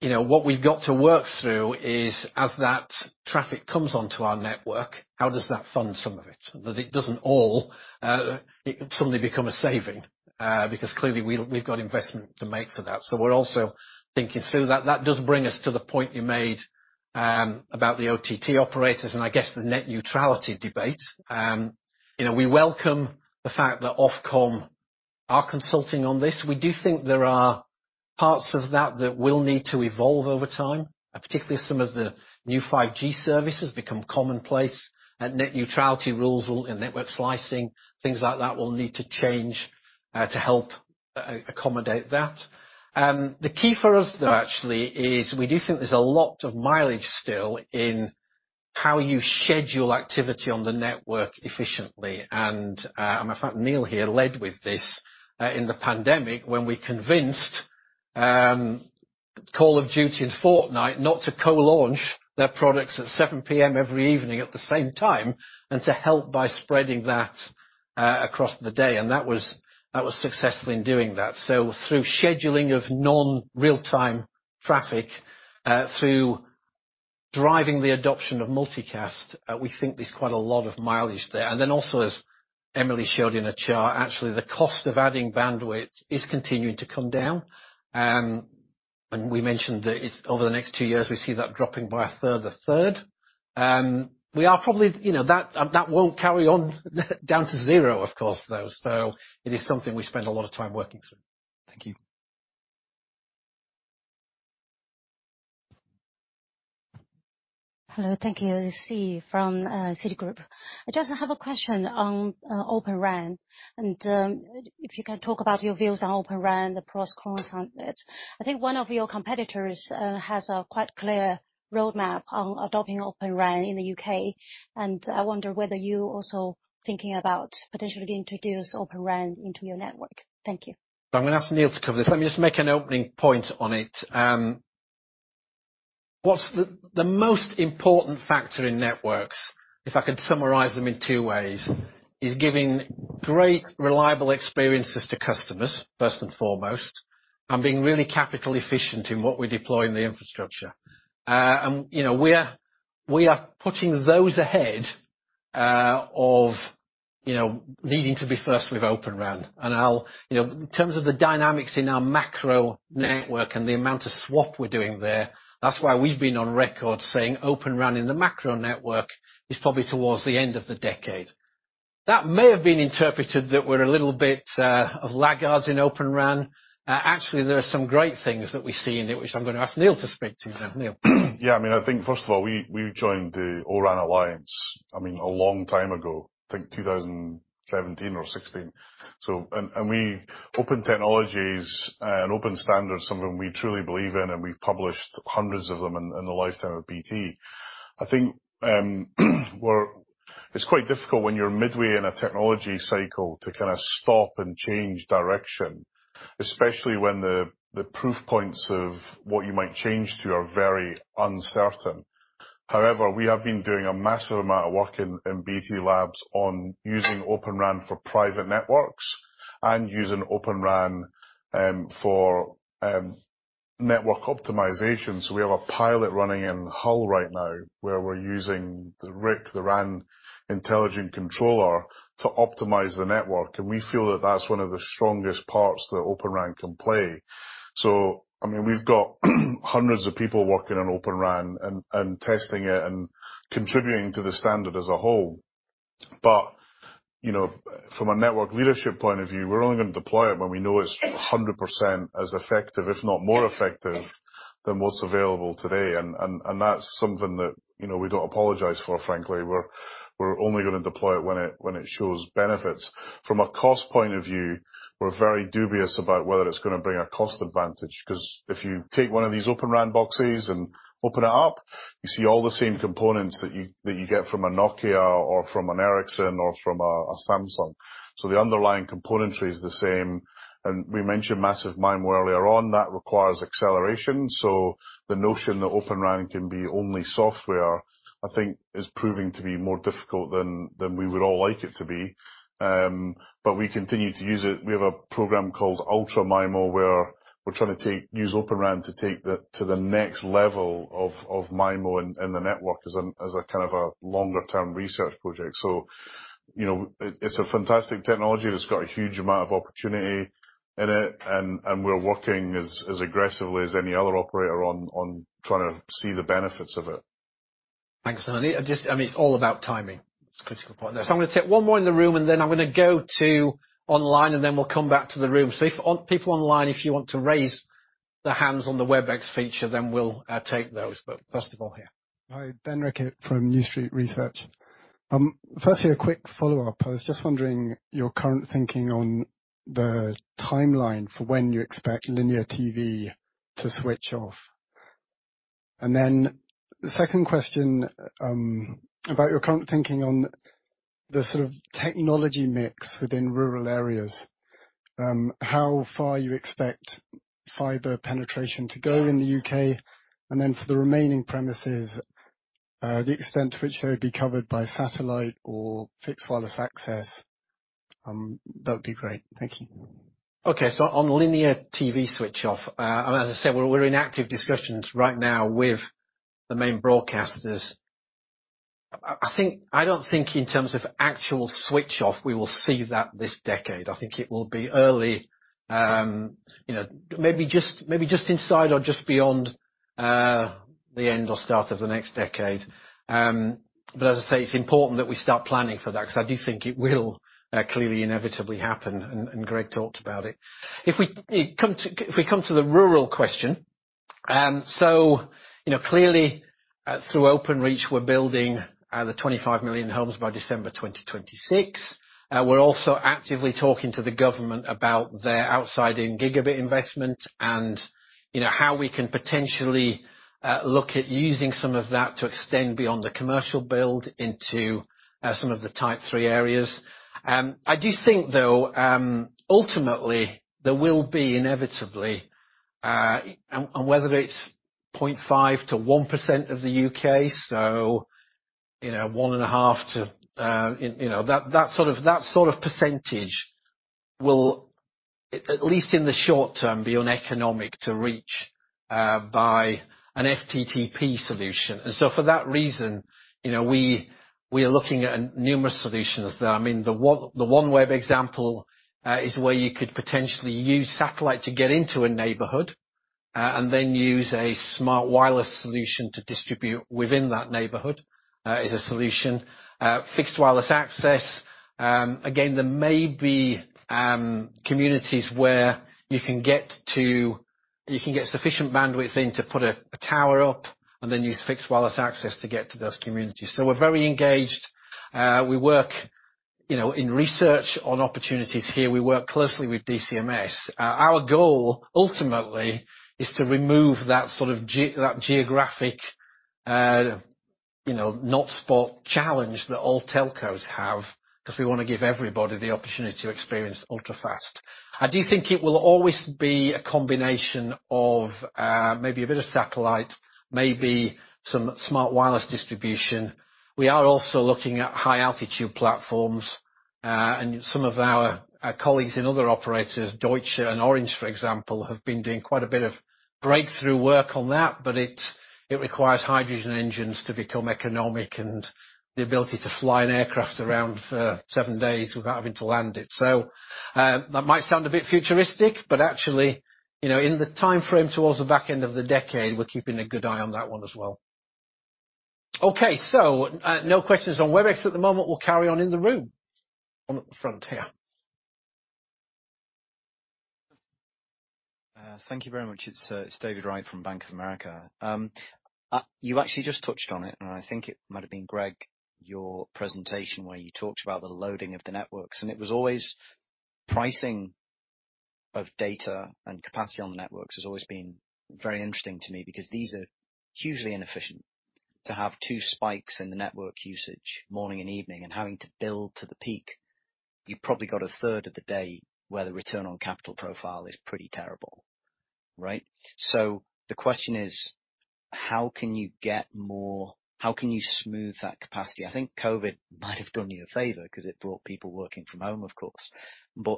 You know, what we've got to work through is, as that traffic comes onto our network, how does that fund some of it? That it doesn't all suddenly become a saving, because clearly we've got investment to make for that. We're also thinking through. That does bring us to the point you made about the OTT operators and I guess the net neutrality debate. You know, we welcome the fact that Ofcom are consulting on this. We do think there are parts of that that will need to evolve over time, particularly as some of the new 5G services become commonplace and net neutrality rules and network slicing, things like that will need to change to help accommodate that. The key for us, though, actually is we do think there's a lot of mileage still in how you schedule activity on the network efficiently and Matter of fact, Neil here led with this in the pandemic when we convinced Call of Duty and Fortnite not to co-launch their products at 7 P.M. every evening at the same time, and to help by spreading that across the day. That was successful in doing that. Through scheduling of non-real time traffic, through driving the adoption of multicast, we think there's quite a lot of mileage there. Then also, as Emily showed you in a chart, actually the cost of adding bandwidth is continuing to come down, and we mentioned that it's over the next two years, we see that dropping by a further third. We are probably. You know, that won't carry on down to zero, of course, though, so it is something we spend a lot of time working through. Thank you. Hello. Thank you. This is Xi from Citigroup. I just have a question on Open RAN, and if you can talk about your views on Open RAN, the pros, cons on it. I think one of your competitors has a quite clear roadmap on adopting Open RAN in the U.K., and I wonder whether you're also thinking about potentially introduce Open RAN into your network. Thank you. I'm gonna ask Neil to cover this. Let me just make an opening point on it. The most important factor in networks, if I could summarize them in two ways, is giving great reliable experiences to customers, first and foremost, and being really capital efficient in what we deploy in the infrastructure. You know, we are putting those ahead of you know, needing to be first with Open RAN. You know, in terms of the dynamics in our macro network and the amount of swap we're doing there, that's why we've been on record saying Open RAN in the macro network is probably towards the end of the decade. That may have been interpreted that we're a little bit of laggards in Open RAN. Actually, there are some great things that we see in it, which I'm gonna ask Neil to speak to now. Neil. Yeah. I mean, I think first of all, we joined the O-RAN Alliance, I mean, a long time ago, I think 2017 or 2016. Open technologies and open standards are something we truly believe in, and we've published hundreds of them in the lifetime of BT. I think, we're It's quite difficult when you're midway in a technology cycle to kind of stop and change direction, especially when the proof points of what you might change to are very uncertain. However, we have been doing a massive amount of work in BT Labs on using Open RAN for private networks and using Open RAN for network optimization. We have a pilot running in Hull right now where we're using the RIC, the RAN intelligent controller, to optimize the network, and we feel that that's one of the strongest parts that Open RAN can play. I mean, we've got hundreds of people working on Open RAN and testing it and contributing to the standard as a whole. you know, from a network leadership point of view, we're only gonna deploy it when we know it's 100% as effective, if not more effective than what's available today. that's something that, you know, we don't apologize for, frankly. We're only gonna deploy it when it shows benefits. From a cost point of view, we're very dubious about whether it's gonna bring a cost advantage, 'cause if you take one of these Open RAN boxes and open it up, you see all the same components that you get from a Nokia or from an Ericsson or from a Samsung. the underlying componentry is the same. we mentioned massive MIMO earlier on. That requires acceleration. The notion that Open RAN can be only software, I think is proving to be more difficult than we would all like it to be. We continue to use it. We have a program called Ultra MIMO, where we're trying to use Open RAN to take it to the next level of MIMO in the network as a kind of a longer-term research project. You know, it's a fantastic technology that's got a huge amount of opportunity in it and we're working as aggressively as any other operator on trying to see the benefits of it. Thanks. Just, I mean, it's all about timing. It's a critical point there. I'm gonna take one more in the room, and then I'm gonna go to online, and then we'll come back to the room. If people online, if you want to raise their hands on the Webex feature, then we'll take those. First of all, here. Hi. Ben Sherwood from New Street Research. Firstly, a quick follow-up. I was just wondering your current thinking on the timeline for when you expect linear TV to switch off. Then the second question, about your current thinking on the sort of technology mix within rural areas, how far you expect fiber penetration to go in the U.K., and then for the remaining premises, the extent to which they would be covered by satellite or Fixed Wireless Access, that would be great. Thank you. Okay, on linear TV switch off, as I said, we're in active discussions right now with the main broadcasters. I don't think in terms of actual switch off, we will see that this decade. I think it will be early, you know, maybe just inside or just beyond the end or start of the next decade. As I say, it's important that we start planning for that, 'cause I do think it will clearly inevitably happen, and Greg talked about it. If we come to the rural question, you know, clearly through Openreach, we're building the 25 million homes by December 2026. We're also actively talking to the government about their outside-in gigabit investment and, you know, how we can potentially look at using some of that to extend beyond the commercial build into some of the Type 3 areas. I do think though, ultimately there will be inevitably and whether it's 0.5%-1% of the U.K., you know, 1.5 to, you know, that sort of percentage will, at least in the short term, be uneconomic to reach by an FTTP solution. For that reason, you know, we are looking at numerous solutions. I mean, the OneWeb example is where you could potentially use satellite to get into a neighborhood and then use a smart wireless solution to distribute within that neighborhood. is a solution. Fixed Wireless Access. Again, there may be communities where you can get sufficient bandwidth in to put a tower up and then use Fixed Wireless Access to get to those communities. We're very engaged. We work, you know, in research on opportunities here. We work closely with DCMS. Our goal ultimately is to remove that sort of geographic not spot challenge that all telcos have, 'cause we wanna give everybody the opportunity to experience ultra-fast. I do think it will always be a combination of maybe a bit of satellite, maybe some smart wireless distribution. We are also looking at high altitude platforms, and some of our colleagues in other operators, Deutsche Telekom and Orange, for example, have been doing quite a bit of breakthrough work on that, but it requires hydrogen engines to become economic and the ability to fly an aircraft around for seven days without having to land it. That might sound a bit futuristic, but actually, you know, in the timeframe towards the back end of the decade, we're keeping a good eye on that one as well. Okay, no questions on Webex at the moment. We'll carry on in the room. One at the front here. Thank you very much. It's David Wright from Bank of America. You actually just touched on it, and I think it might have been Greg, your presentation where you talked about the loading of the networks, and it was always pricing of data and capacity on the networks has always been very interesting to me because these are hugely inefficient. To have two spikes in the network usage morning and evening and having to build to the peak, you probably got a third of the day where the return on capital profile is pretty terrible, right? The question is, how can you smooth that capacity? I think COVID might have done you a favor 'cause it brought people working from home, of course.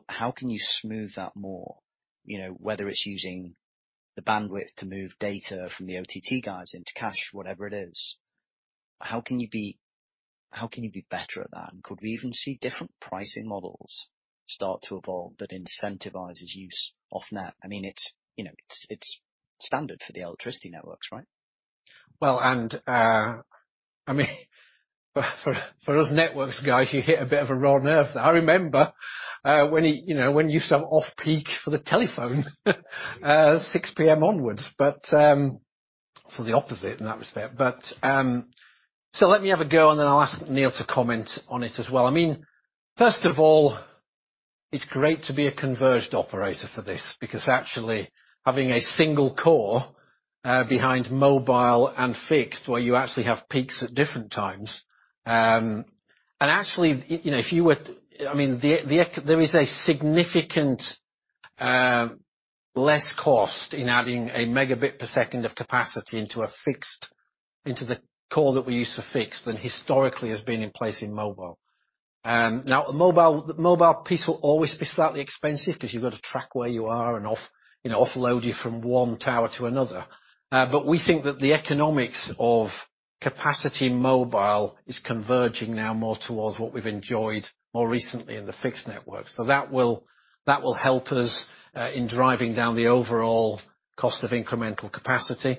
How can you smooth that more, you know, whether it's using the bandwidth to move data from the OTT guys into cache, whatever it is. How can you be better at that? Could we even see different pricing models start to evolve that incentivizes use of net? I mean, it's, you know, it's standard for the electricity networks, right? For us networks guys, you hit a bit of a raw nerve there. I remember when you know when you used to have off-peak for the telephone 6 P.M. onwards. The opposite in that respect. Let me have a go, and then I'll ask Neil to comment on it as well. I mean, first of all, it's great to be a converged operator for this because actually having a single core behind mobile and fixed where you actually have peaks at different times and actually you know there is a significantly less cost in adding a megabit per second of capacity into the core that we use for fixed than historically has been in place in mobile. The mobile piece will always be slightly expensive because you've got to track where you are and, you know, offload you from one tower to another. We think that the economics of capacity mobile is converging now more towards what we've enjoyed more recently in the fixed network. That will help us in driving down the overall cost of incremental capacity.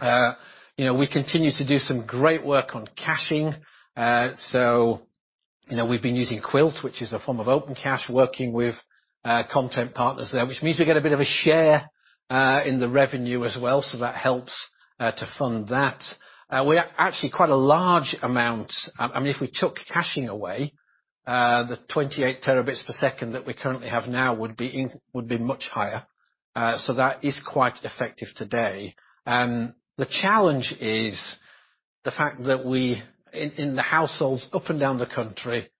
You know, we continue to do some great work on caching. You know, we've been using Qwilt, which is a form of Open Caching, working with content partners there, which means we get a bit of a share in the revenue as well, so that helps to fund that. We are actually quite a large amount. I mean, if we took caching away, the 28 terabits per second that we currently have now would be much higher. That is quite effective today. The challenge is the fact that we, in the households up and down the country,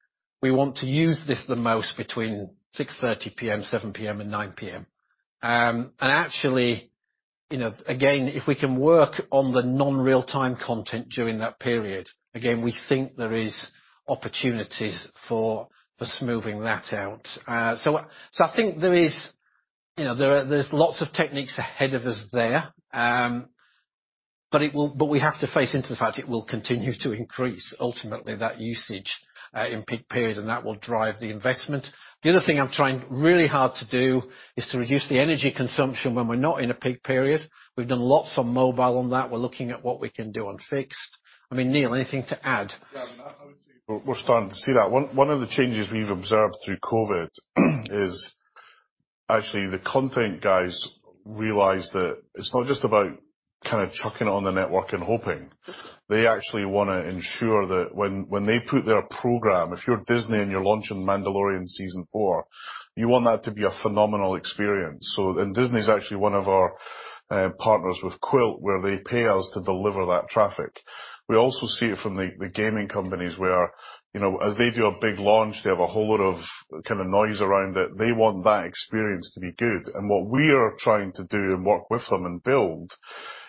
we want to use this the most between 6:30 P.M., 7:00 P.M., and 9:00 P.M. Actually, you know, again, if we can work on the non-real time content during that period, again, we think there is opportunities for smoothing that out. I think there is, you know, there's lots of techniques ahead of us there. But we have to face into the fact it will continue to increase ultimately that usage, in peak period, and that will drive the investment. The other thing I'm trying really hard to do is to reduce the energy consumption when we're not in a peak period. We've done lots on mobile on that. We're looking at what we can do on fixed. I mean, Neil, anything to add? Yeah. I would say we're starting to see that. One of the changes we've observed through COVID is actually the content guys realized that it's not just about kinda chucking it on the network and hoping. They actually wanna ensure that when they put their program, if you're Disney and you're launching Mandalorian season four, you want that to be a phenomenal experience. Disney is actually one of our partners with Qwilt, where they pay us to deliver that traffic. We also see it from the gaming companies where, you know, as they do a big launch, they have a whole lot of kinda noise around it. They want that experience to be good. What we are trying to do and work with them and build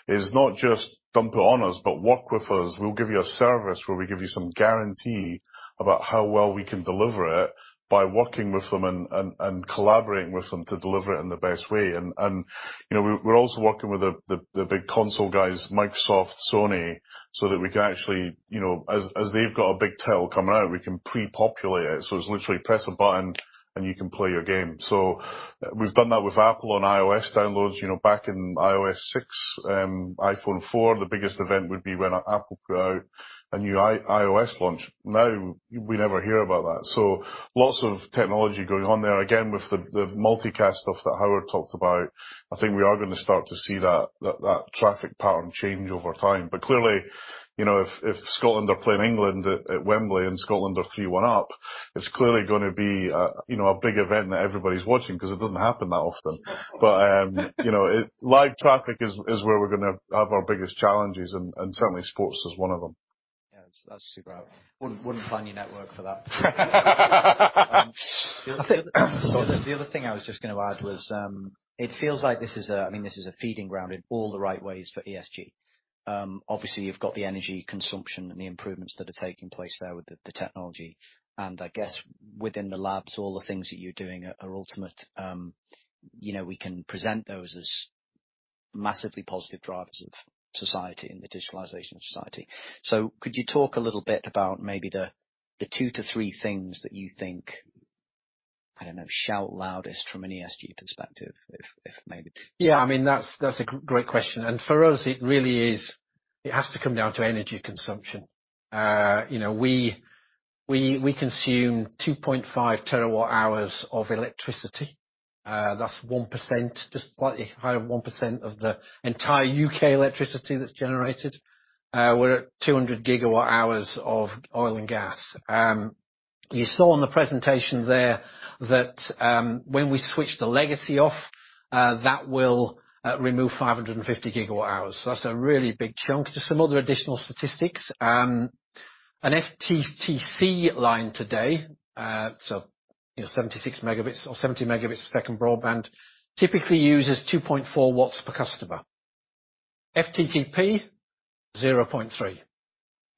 is not just dump it on us, but work with us. We'll give you a service where we give you some guarantee about how well we can deliver it by working with them and collaborating with them to deliver it in the best way. You know, we're also working with the big console guys, Microsoft, Sony, so that we can actually, you know, they've got a big title coming out, we can pre-populate it. It's literally press a button, and you can play your game. We've done that with Apple on iOS downloads. You know, back in iOS 6, iPhone 4, the biggest event would be when Apple put out a new iOS launch. Now we never hear about that. Lots of technology going on there. Again, with the multicast stuff that Howard talked about, I think we are gonna start to see that traffic pattern change over time. Clearly, you know, if Scotland are playing England at Wembley and Scotland are 3-1 up, it's clearly gonna be a, you know, a big event that everybody's watching 'cause it doesn't happen that often. Live traffic is where we're gonna have our biggest challenges, and certainly sports is one of them. Yeah. That's super helpful. Wouldn't plan your network for that. The other thing I was just gonna add was, it feels like this is a feeding ground in all the right ways for ESG. Obviously you've got the energy consumption and the improvements that are taking place there with the technology. I guess within the labs, all the things that you're doing are ultimate. You know, we can present those as massively positive drivers of society and the digitalization of society. Could you talk a little bit about maybe the two to three things that you think shout loudest from an ESG perspective, if maybe I mean, that's a great question. For us, it really is, it has to come down to energy consumption. You know, we consume 2.5 TWh of electricity. That's 1%, just slightly higher than 1% of the entire U.K. electricity that's generated. We're at 200 GWh of oil and gas. You saw on the presentation there that when we switch the legacy off, that will remove 550 GWh. That's a really big chunk. Just some other additional statistics. An FTTC line today, you know, 76 Mbps or 70 Mbps broadband, typically uses 2.4 watts per customer. FTTP,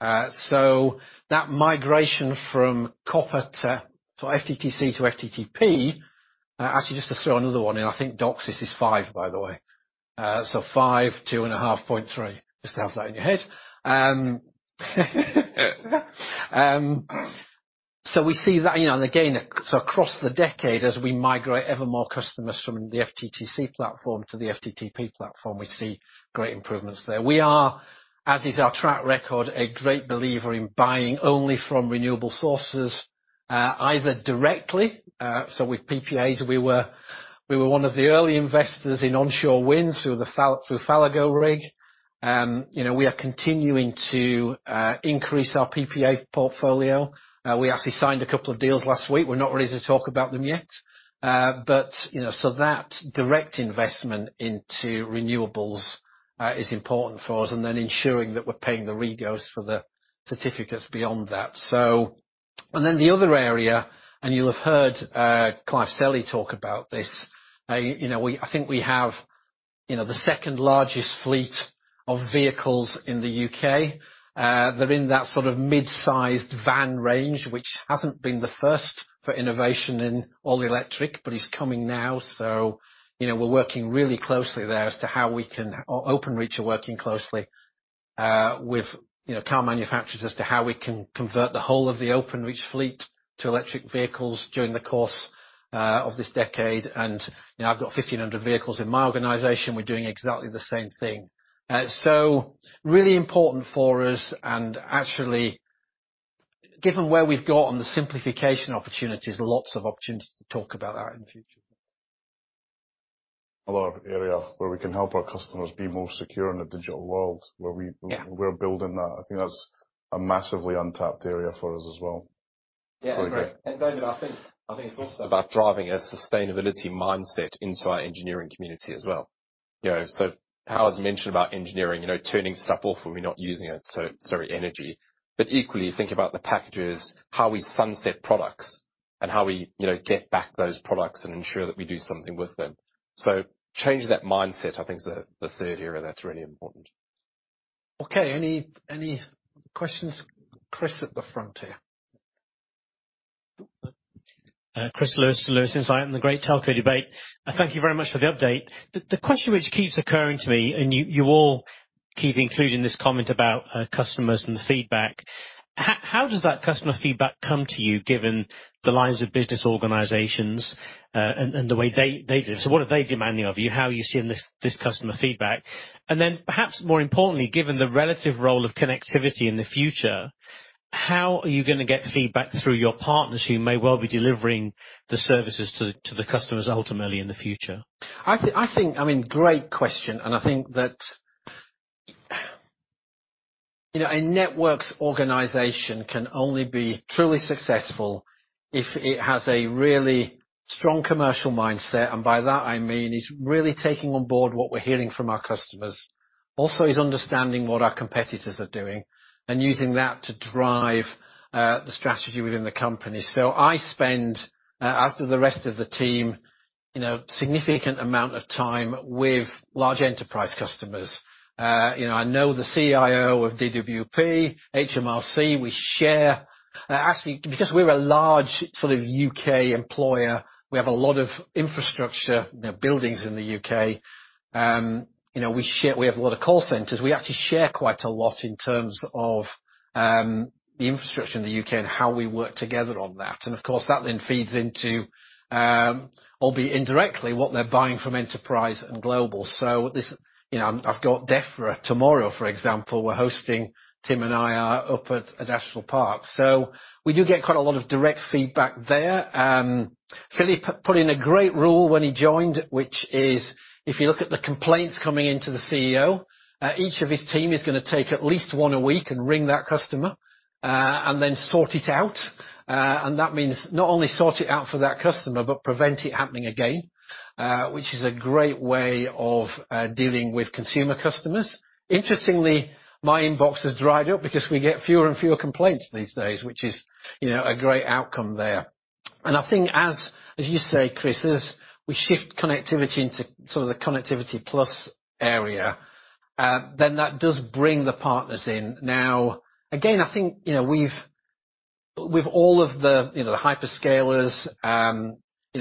0.3. That migration from copper to FTTC to FTTP, actually just to throw another one in, I think DOCSIS is 5, by the way. 5, 2.5, 0.3. Just to have that in your head. We see that, you know, and again, across the decade, as we migrate ever more customers from the FTTC platform to the FTTP platform, we see great improvements there. We are, as is our track record, a great believer in buying only from renewable sources, either directly, with PPAs. We were one of the early investors in onshore wind through Fallago Rig. You know, we are continuing to increase our PPA portfolio. We actually signed a couple of deals last week. We're not ready to talk about them yet. You know, that direct investment into renewables is important for us, and then ensuring that we're paying the REGOs for the certificates beyond that. The other area, and you'll have heard, Clive Selley talk about this. You know, I think we have, you know, the second-largest fleet of vehicles in the U.K. They're in that sort of mid-sized van range, which hasn't been the first for innovation in all-electric, but is coming now. You know, we're working really closely there as to how we can Openreach are working closely with, you know, car manufacturers as to how we can convert the whole of the Openreach fleet to electric vehicles during the course of this decade. You know, I've got 1,500 vehicles in my organization. We're doing exactly the same thing. Really important for us, and actually, given where we've got on the simplification opportunities, lots of opportunities to talk about that in the future. Another area where we can help our customers be more secure in the digital world. Yeah. We're building that. I think that's a massively untapped area for us as well. Yeah. I agree. Going with that, I think it's also about driving a sustainability mindset into our engineering community as well. You know, so Howard's mentioned about engineering, you know, turning stuff off when we're not using it, so it's very energy. Equally, think about the packages, how we sunset products and how we, you know, get back those products and ensure that we do something with them. Changing that mindset, I think is the third area that's really important. Okay. Any questions? Chris at the front here. Chris Lewis from Lewis Insight and The Great Telco Debate. Thank you very much for the update. The question which keeps occurring to me, and you all keep including this comment about customers and the feedback. How does that customer feedback come to you, given the lines of business organizations, and the way they do? So what are they demanding of you? How are you seeing this customer feedback? And then perhaps more importantly, given the relative role of connectivity in the future, how are you gonna get feedback through your partners who may well be delivering the services to the customers ultimately in the future? I think I mean, great question, and I think that, you know, a networks organization can only be truly successful if it has a really strong commercial mindset. By that, I mean, it's really taking on board what we're hearing from our customers. It's understanding what our competitors are doing and using that to drive the strategy within the company. I spend, as do the rest of the team, you know, significant amount of time with large enterprise customers. I know the CIO of DWP, HMRC. We share. Actually, because we're a large sort of U.K. employer, we have a lot of infrastructure, you know, buildings in the U.K. We have a lot of call centers. We actually share quite a lot in terms of the infrastructure in the U.K. and how we work together on that. Of course, that then feeds into, albeit indirectly, what they're buying from Enterprise and Global. You know, I've got DEFRA tomorrow, for example. Tim and I are hosting up at Adastral Park. We do get quite a lot of direct feedback there. Philip put in a great rule when he joined, which is if you look at the complaints coming into the CEO, each of his team is gonna take at least one a week and ring that customer, and then sort it out. That means not only sort it out for that customer, but prevent it happening again, which is a great way of dealing with consumer customers. Interestingly, my inbox has dried up because we get fewer and fewer complaints these days, which is, you know, a great outcome there. I think as you say, Chris, as we shift connectivity into sort of the connectivity plus area, then that does bring the partners in. Now, again, I think, you know, we've with all of the, you know, the hyperscalers,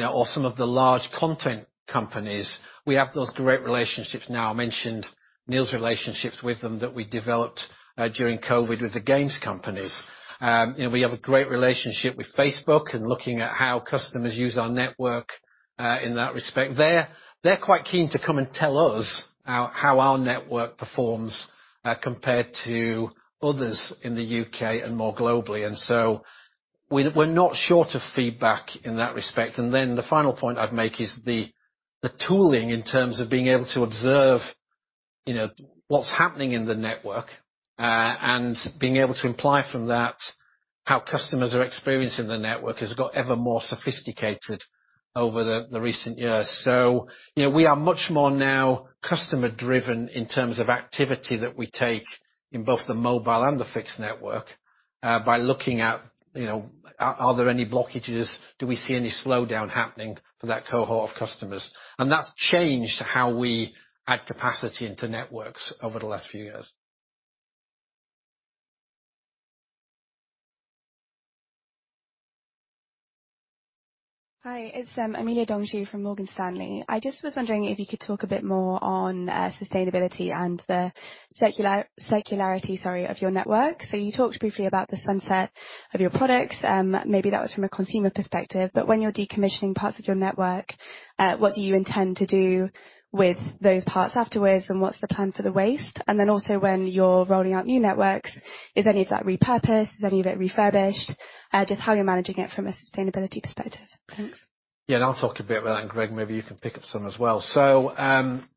or some of the large content companies, we have those great relationships. Now, I mentioned Neil's relationships with them that we developed during COVID with the games companies. You know, we have a great relationship with Facebook and looking at how customers use our network, in that respect. They're quite keen to come and tell us how our network performs, compared to others in the U.K. and more globally. We're not short of feedback in that respect. The final point I'd make is the tooling in terms of being able to observe, you know, what's happening in the network and being able to imply from that how customers are experiencing the network has got ever more sophisticated over the recent years. You know, we are much more now customer driven in terms of activity that we take in both the mobile and the fixed network by looking at, you know, are there any blockages? Do we see any slowdown happening for that cohort of customers? That's changed how we add capacity into networks over the last few years. Hi, it's Emmet Kelly from Morgan Stanley. I just was wondering if you could talk a bit more on sustainability and the circularity of your network. You talked briefly about the sunset of your products, maybe that was from a consumer perspective. When you're decommissioning parts of your network, what do you intend to do with those parts afterwards, and what's the plan for the waste? Also when you're rolling out new networks, is any of that repurposed, is any of it refurbished? Just how you're managing it from a sustainability perspective. Thanks. I'll talk a bit about that, and Greg, maybe you can pick up some as well.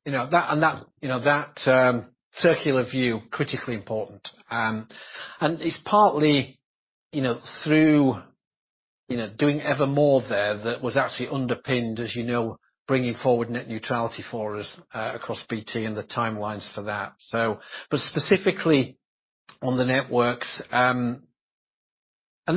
You know, that circular view, critically important. It's partly, you know, through, you know, doing evermore there that was actually underpinned, as you know, bringing forward net neutrality for us across BT and the timelines for that. Specifically on the networks, and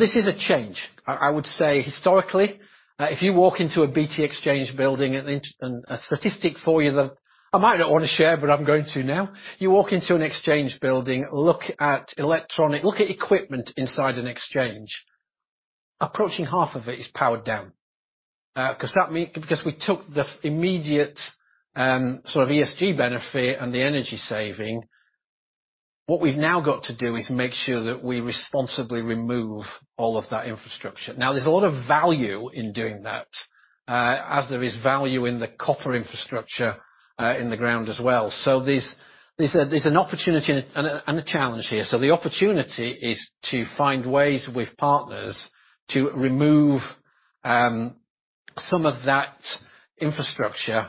this is a change. I would say historically, if you walk into a BT exchange building and a statistic for you that I might not wanna share, but I'm going to now. You walk into an exchange building, look at electronic equipment inside an exchange. Approaching half of it is powered down because we took the immediate, sort of ESG benefit and the energy saving. What we've now got to do is make sure that we responsibly remove all of that infrastructure. Now, there's a lot of value in doing that, as there is value in the copper infrastructure, in the ground as well. There's an opportunity and a challenge here. The opportunity is to find ways with partners to remove some of that infrastructure,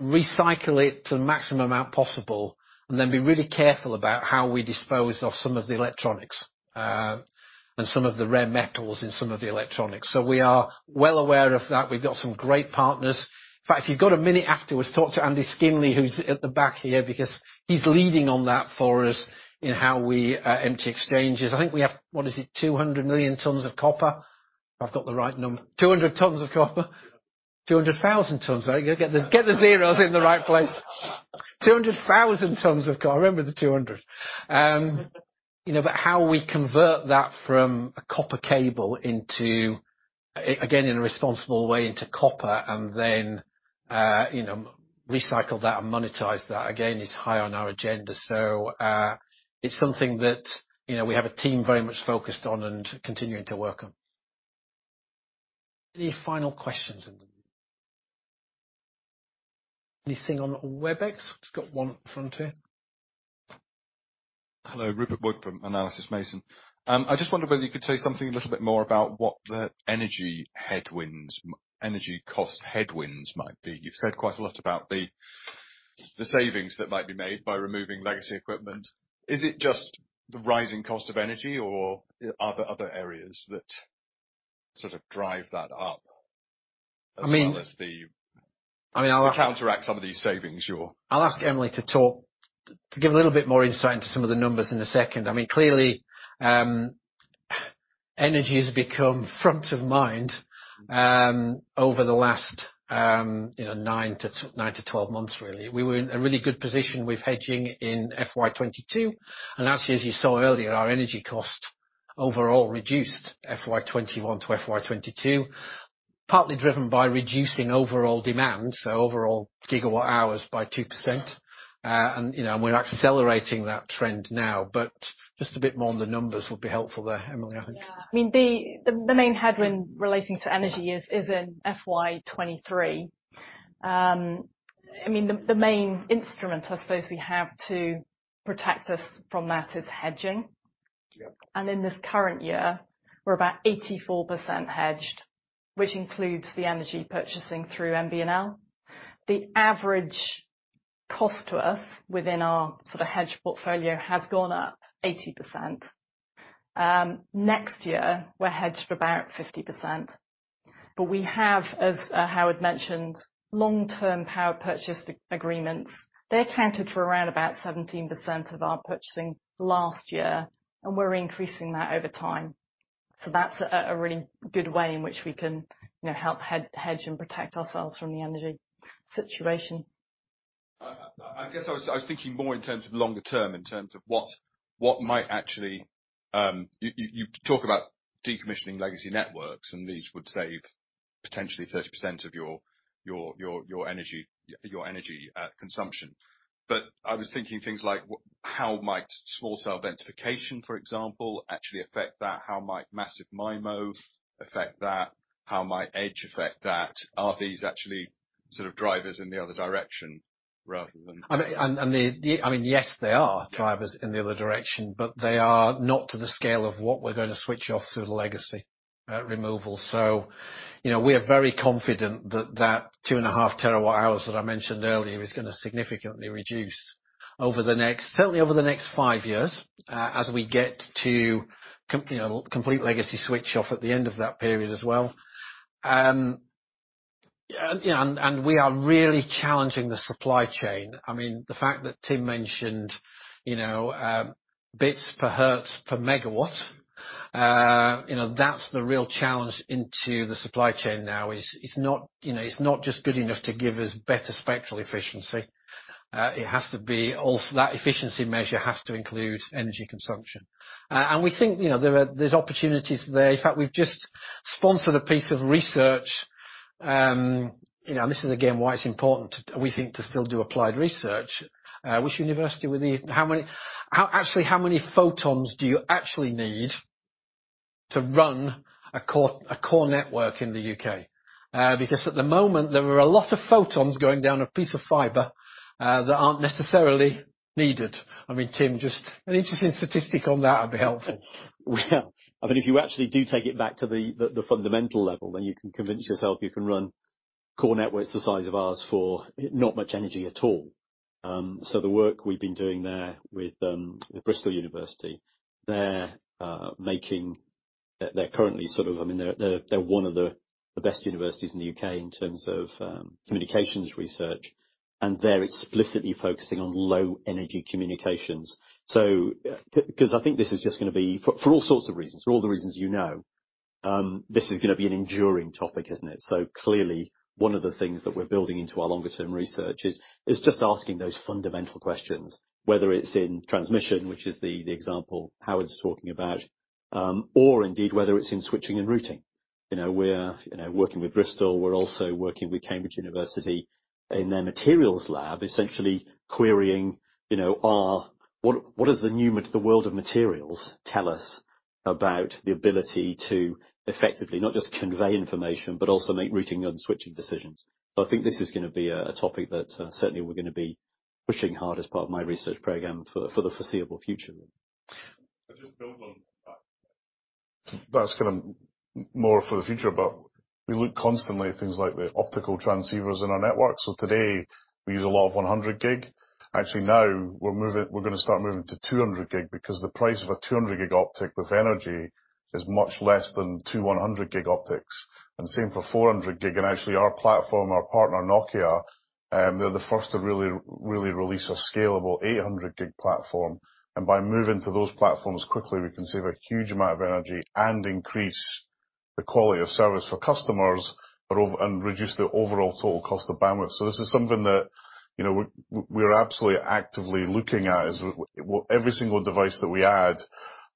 recycle it to the maximum amount possible, and then be really careful about how we dispose of some of the electronics, and some of the rare metals in some of the electronics. We are well aware of that. We've got some great partners. In fact, if you've got a minute afterwards, talk to Andy Sherwin, who's at the back here because he's leading on that for us in how we empty exchanges. I think we have, what is it? 200 million tons of copper. If I've got the right number. 200 tons of copper. 200,000 tons. There you go. Get the zeros in the right place. 200,000 tons. I remember the 200. You know, but how we convert that from a copper cable into, again, in a responsible way, into copper and then, you know, recycle that and monetize that, again, is high on our agenda. It's something that, you know, we have a team very much focused on and continuing to work on. Any final questions? Anything on the Webex? Just got one at the front here. Hello, Rupert Wood from Analysys Mason. I just wondered whether you could say something a little bit more about what the energy headwinds, energy cost headwinds might be. You've said quite a lot about the savings that might be made by removing legacy equipment. Is it just the rising cost of energy or are there other areas that sort of drive that up? I mean. -as well as the- I mean, I'll ask. To counteract some of these savings you're. I'll ask Emily to talk, to give a little bit more insight into some of the numbers in a second. I mean, clearly, energy has become front of mind, over the last, you know, nine to 12 months, really. We were in a really good position with hedging in FY 2022, and actually, as you saw earlier, our energy cost overall reduced FY 2021 to FY 2022, partly driven by reducing overall demand, so overall gigawatt hours by 2%. You know, we're accelerating that trend now, but just a bit more on the numbers would be helpful there, Emily, I think. Yeah. I mean, the main headwind relating to energy is in FY 2023. I mean the main instrument, I suppose, we have to protect us from that is hedging. Yep. In this current year, we're about 84% hedged, which includes the energy purchasing through MBNL. The average cost to us within our sort of hedged portfolio has gone up 80%. Next year, we're hedged for about 50%. We have, as Howard mentioned, long-term power purchase agreements. They accounted for around about 17% of our purchasing last year, and we're increasing that over time. That's a really good way in which we can, you know, help hedge and protect ourselves from the energy situation. I guess I was thinking more in terms of longer term, in terms of what might actually. You talk about decommissioning legacy networks, and these would save potentially 30% of your energy consumption. I was thinking things like how might small cell densification, for example, actually affect that? How might massive MIMO affect that? How might Edge affect that? Are these actually sort of drivers in the other direction rather than- I mean, yes, they are drivers in the other direction, but they are not to the scale of what we're gonna switch off through the legacy removal. You know, we are very confident that that 2.5 TWh that I mentioned earlier is gonna significantly reduce over the next, certainly over the next five years, as we get to complete legacy switch off at the end of that period as well. We are really challenging the supply chain. I mean, the fact that Tim mentioned, you know, bits per hertz per megawatt, you know, that's the real challenge into the supply chain now is it's not, you know, it's not just good enough to give us better spectral efficiency. It has to be also that efficiency measure has to include energy consumption. We think, you know, there's opportunities there. In fact, we've just sponsored a piece of research, you know, and this is again why it's important, we think, to still do applied research. How many photons do you actually need to run a core network in the U.K.? Because at the moment, there are a lot of photons going down a piece of fiber that aren't necessarily needed. I mean, Tim, just an interesting statistic on that would be helpful. Well, I mean, if you actually do take it back to the fundamental level, then you can convince yourself you can run core networks the size of ours for not much energy at all. The work we've been doing there with University of Bristol, they're one of the best universities in the U.K. in terms of communications research, and they're explicitly focusing on low-energy communications. Because I think this is just gonna be for all sorts of reasons, for all the reasons you know, this is gonna be an enduring topic, isn't it? Clearly, one of the things that we're building into our longer term research is just asking those fundamental questions, whether it's in transmission, which is the example Howard's talking about, or indeed, whether it's in switching and routing. You know, we're working with Bristol. We're also working with Cambridge University in their materials lab, essentially querying, you know, what does the world of materials tell us about the ability to effectively not just convey information, but also make routing and switching decisions. I think this is gonna be a topic that certainly we're gonna be pushing hard as part of my research program for the foreseeable future. To just build on that. That's kinda more for the future, but we look constantly at things like the optical transceivers in our network. Today, we use a lot of 100 gig. Actually, now we're gonna start moving to 200 gig because the price of a 200 gig optic with energy is much less than two 100 gig optics. Same for 400 gig. Actually our platform, our partner, Nokia, they're the first to really release a scalable 800 gig platform. By moving to those platforms quickly, we conserve a huge amount of energy and increase the quality of service for customers and reduce the overall total cost of bandwidth. This is something that, you know, we're absolutely actively looking at is well, every single device that we add,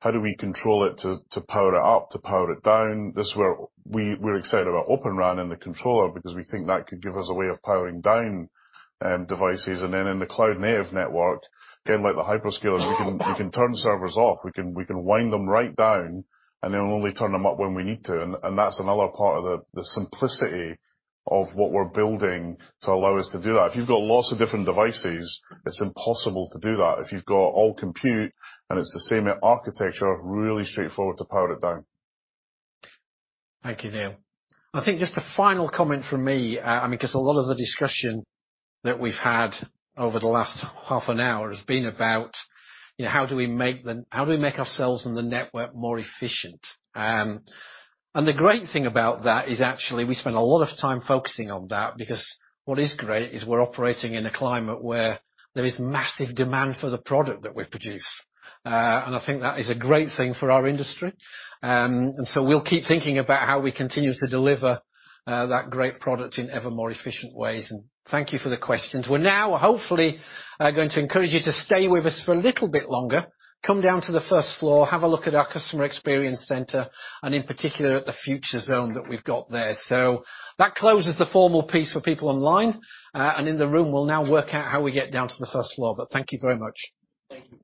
how do we control it to power it up, to power it down? This is where we're excited about Open RAN and the controller because we think that could give us a way of powering down devices. Then in the cloud-native network, again, like the hyperscalers, we can turn servers off, we can wind them right down, and then we'll only turn them up when we need to. That's another part of the simplicity of what we're building to allow us to do that. If you've got lots of different devices, it's impossible to do that. If you've got all compute and it's the same architecture, really straightforward to power it down. Thank you, Neil. I think just a final comment from me. I mean, 'cause a lot of the discussion that we've had over the last half an hour has been about, you know, how do we make ourselves and the network more efficient? The great thing about that is actually we spend a lot of time focusing on that because what is great is we're operating in a climate where there is massive demand for the product that we produce. I think that is a great thing for our industry. We'll keep thinking about how we continue to deliver that great product in ever more efficient ways. Thank you for the questions. We're now hopefully going to encourage you to stay with us for a little bit longer. Come down to the first floor, have a look at our customer experience center and in particular at the future zone that we've got there. That closes the formal piece for people online. In the room, we'll now work out how we get down to the first floor. Thank you very much. Thank you.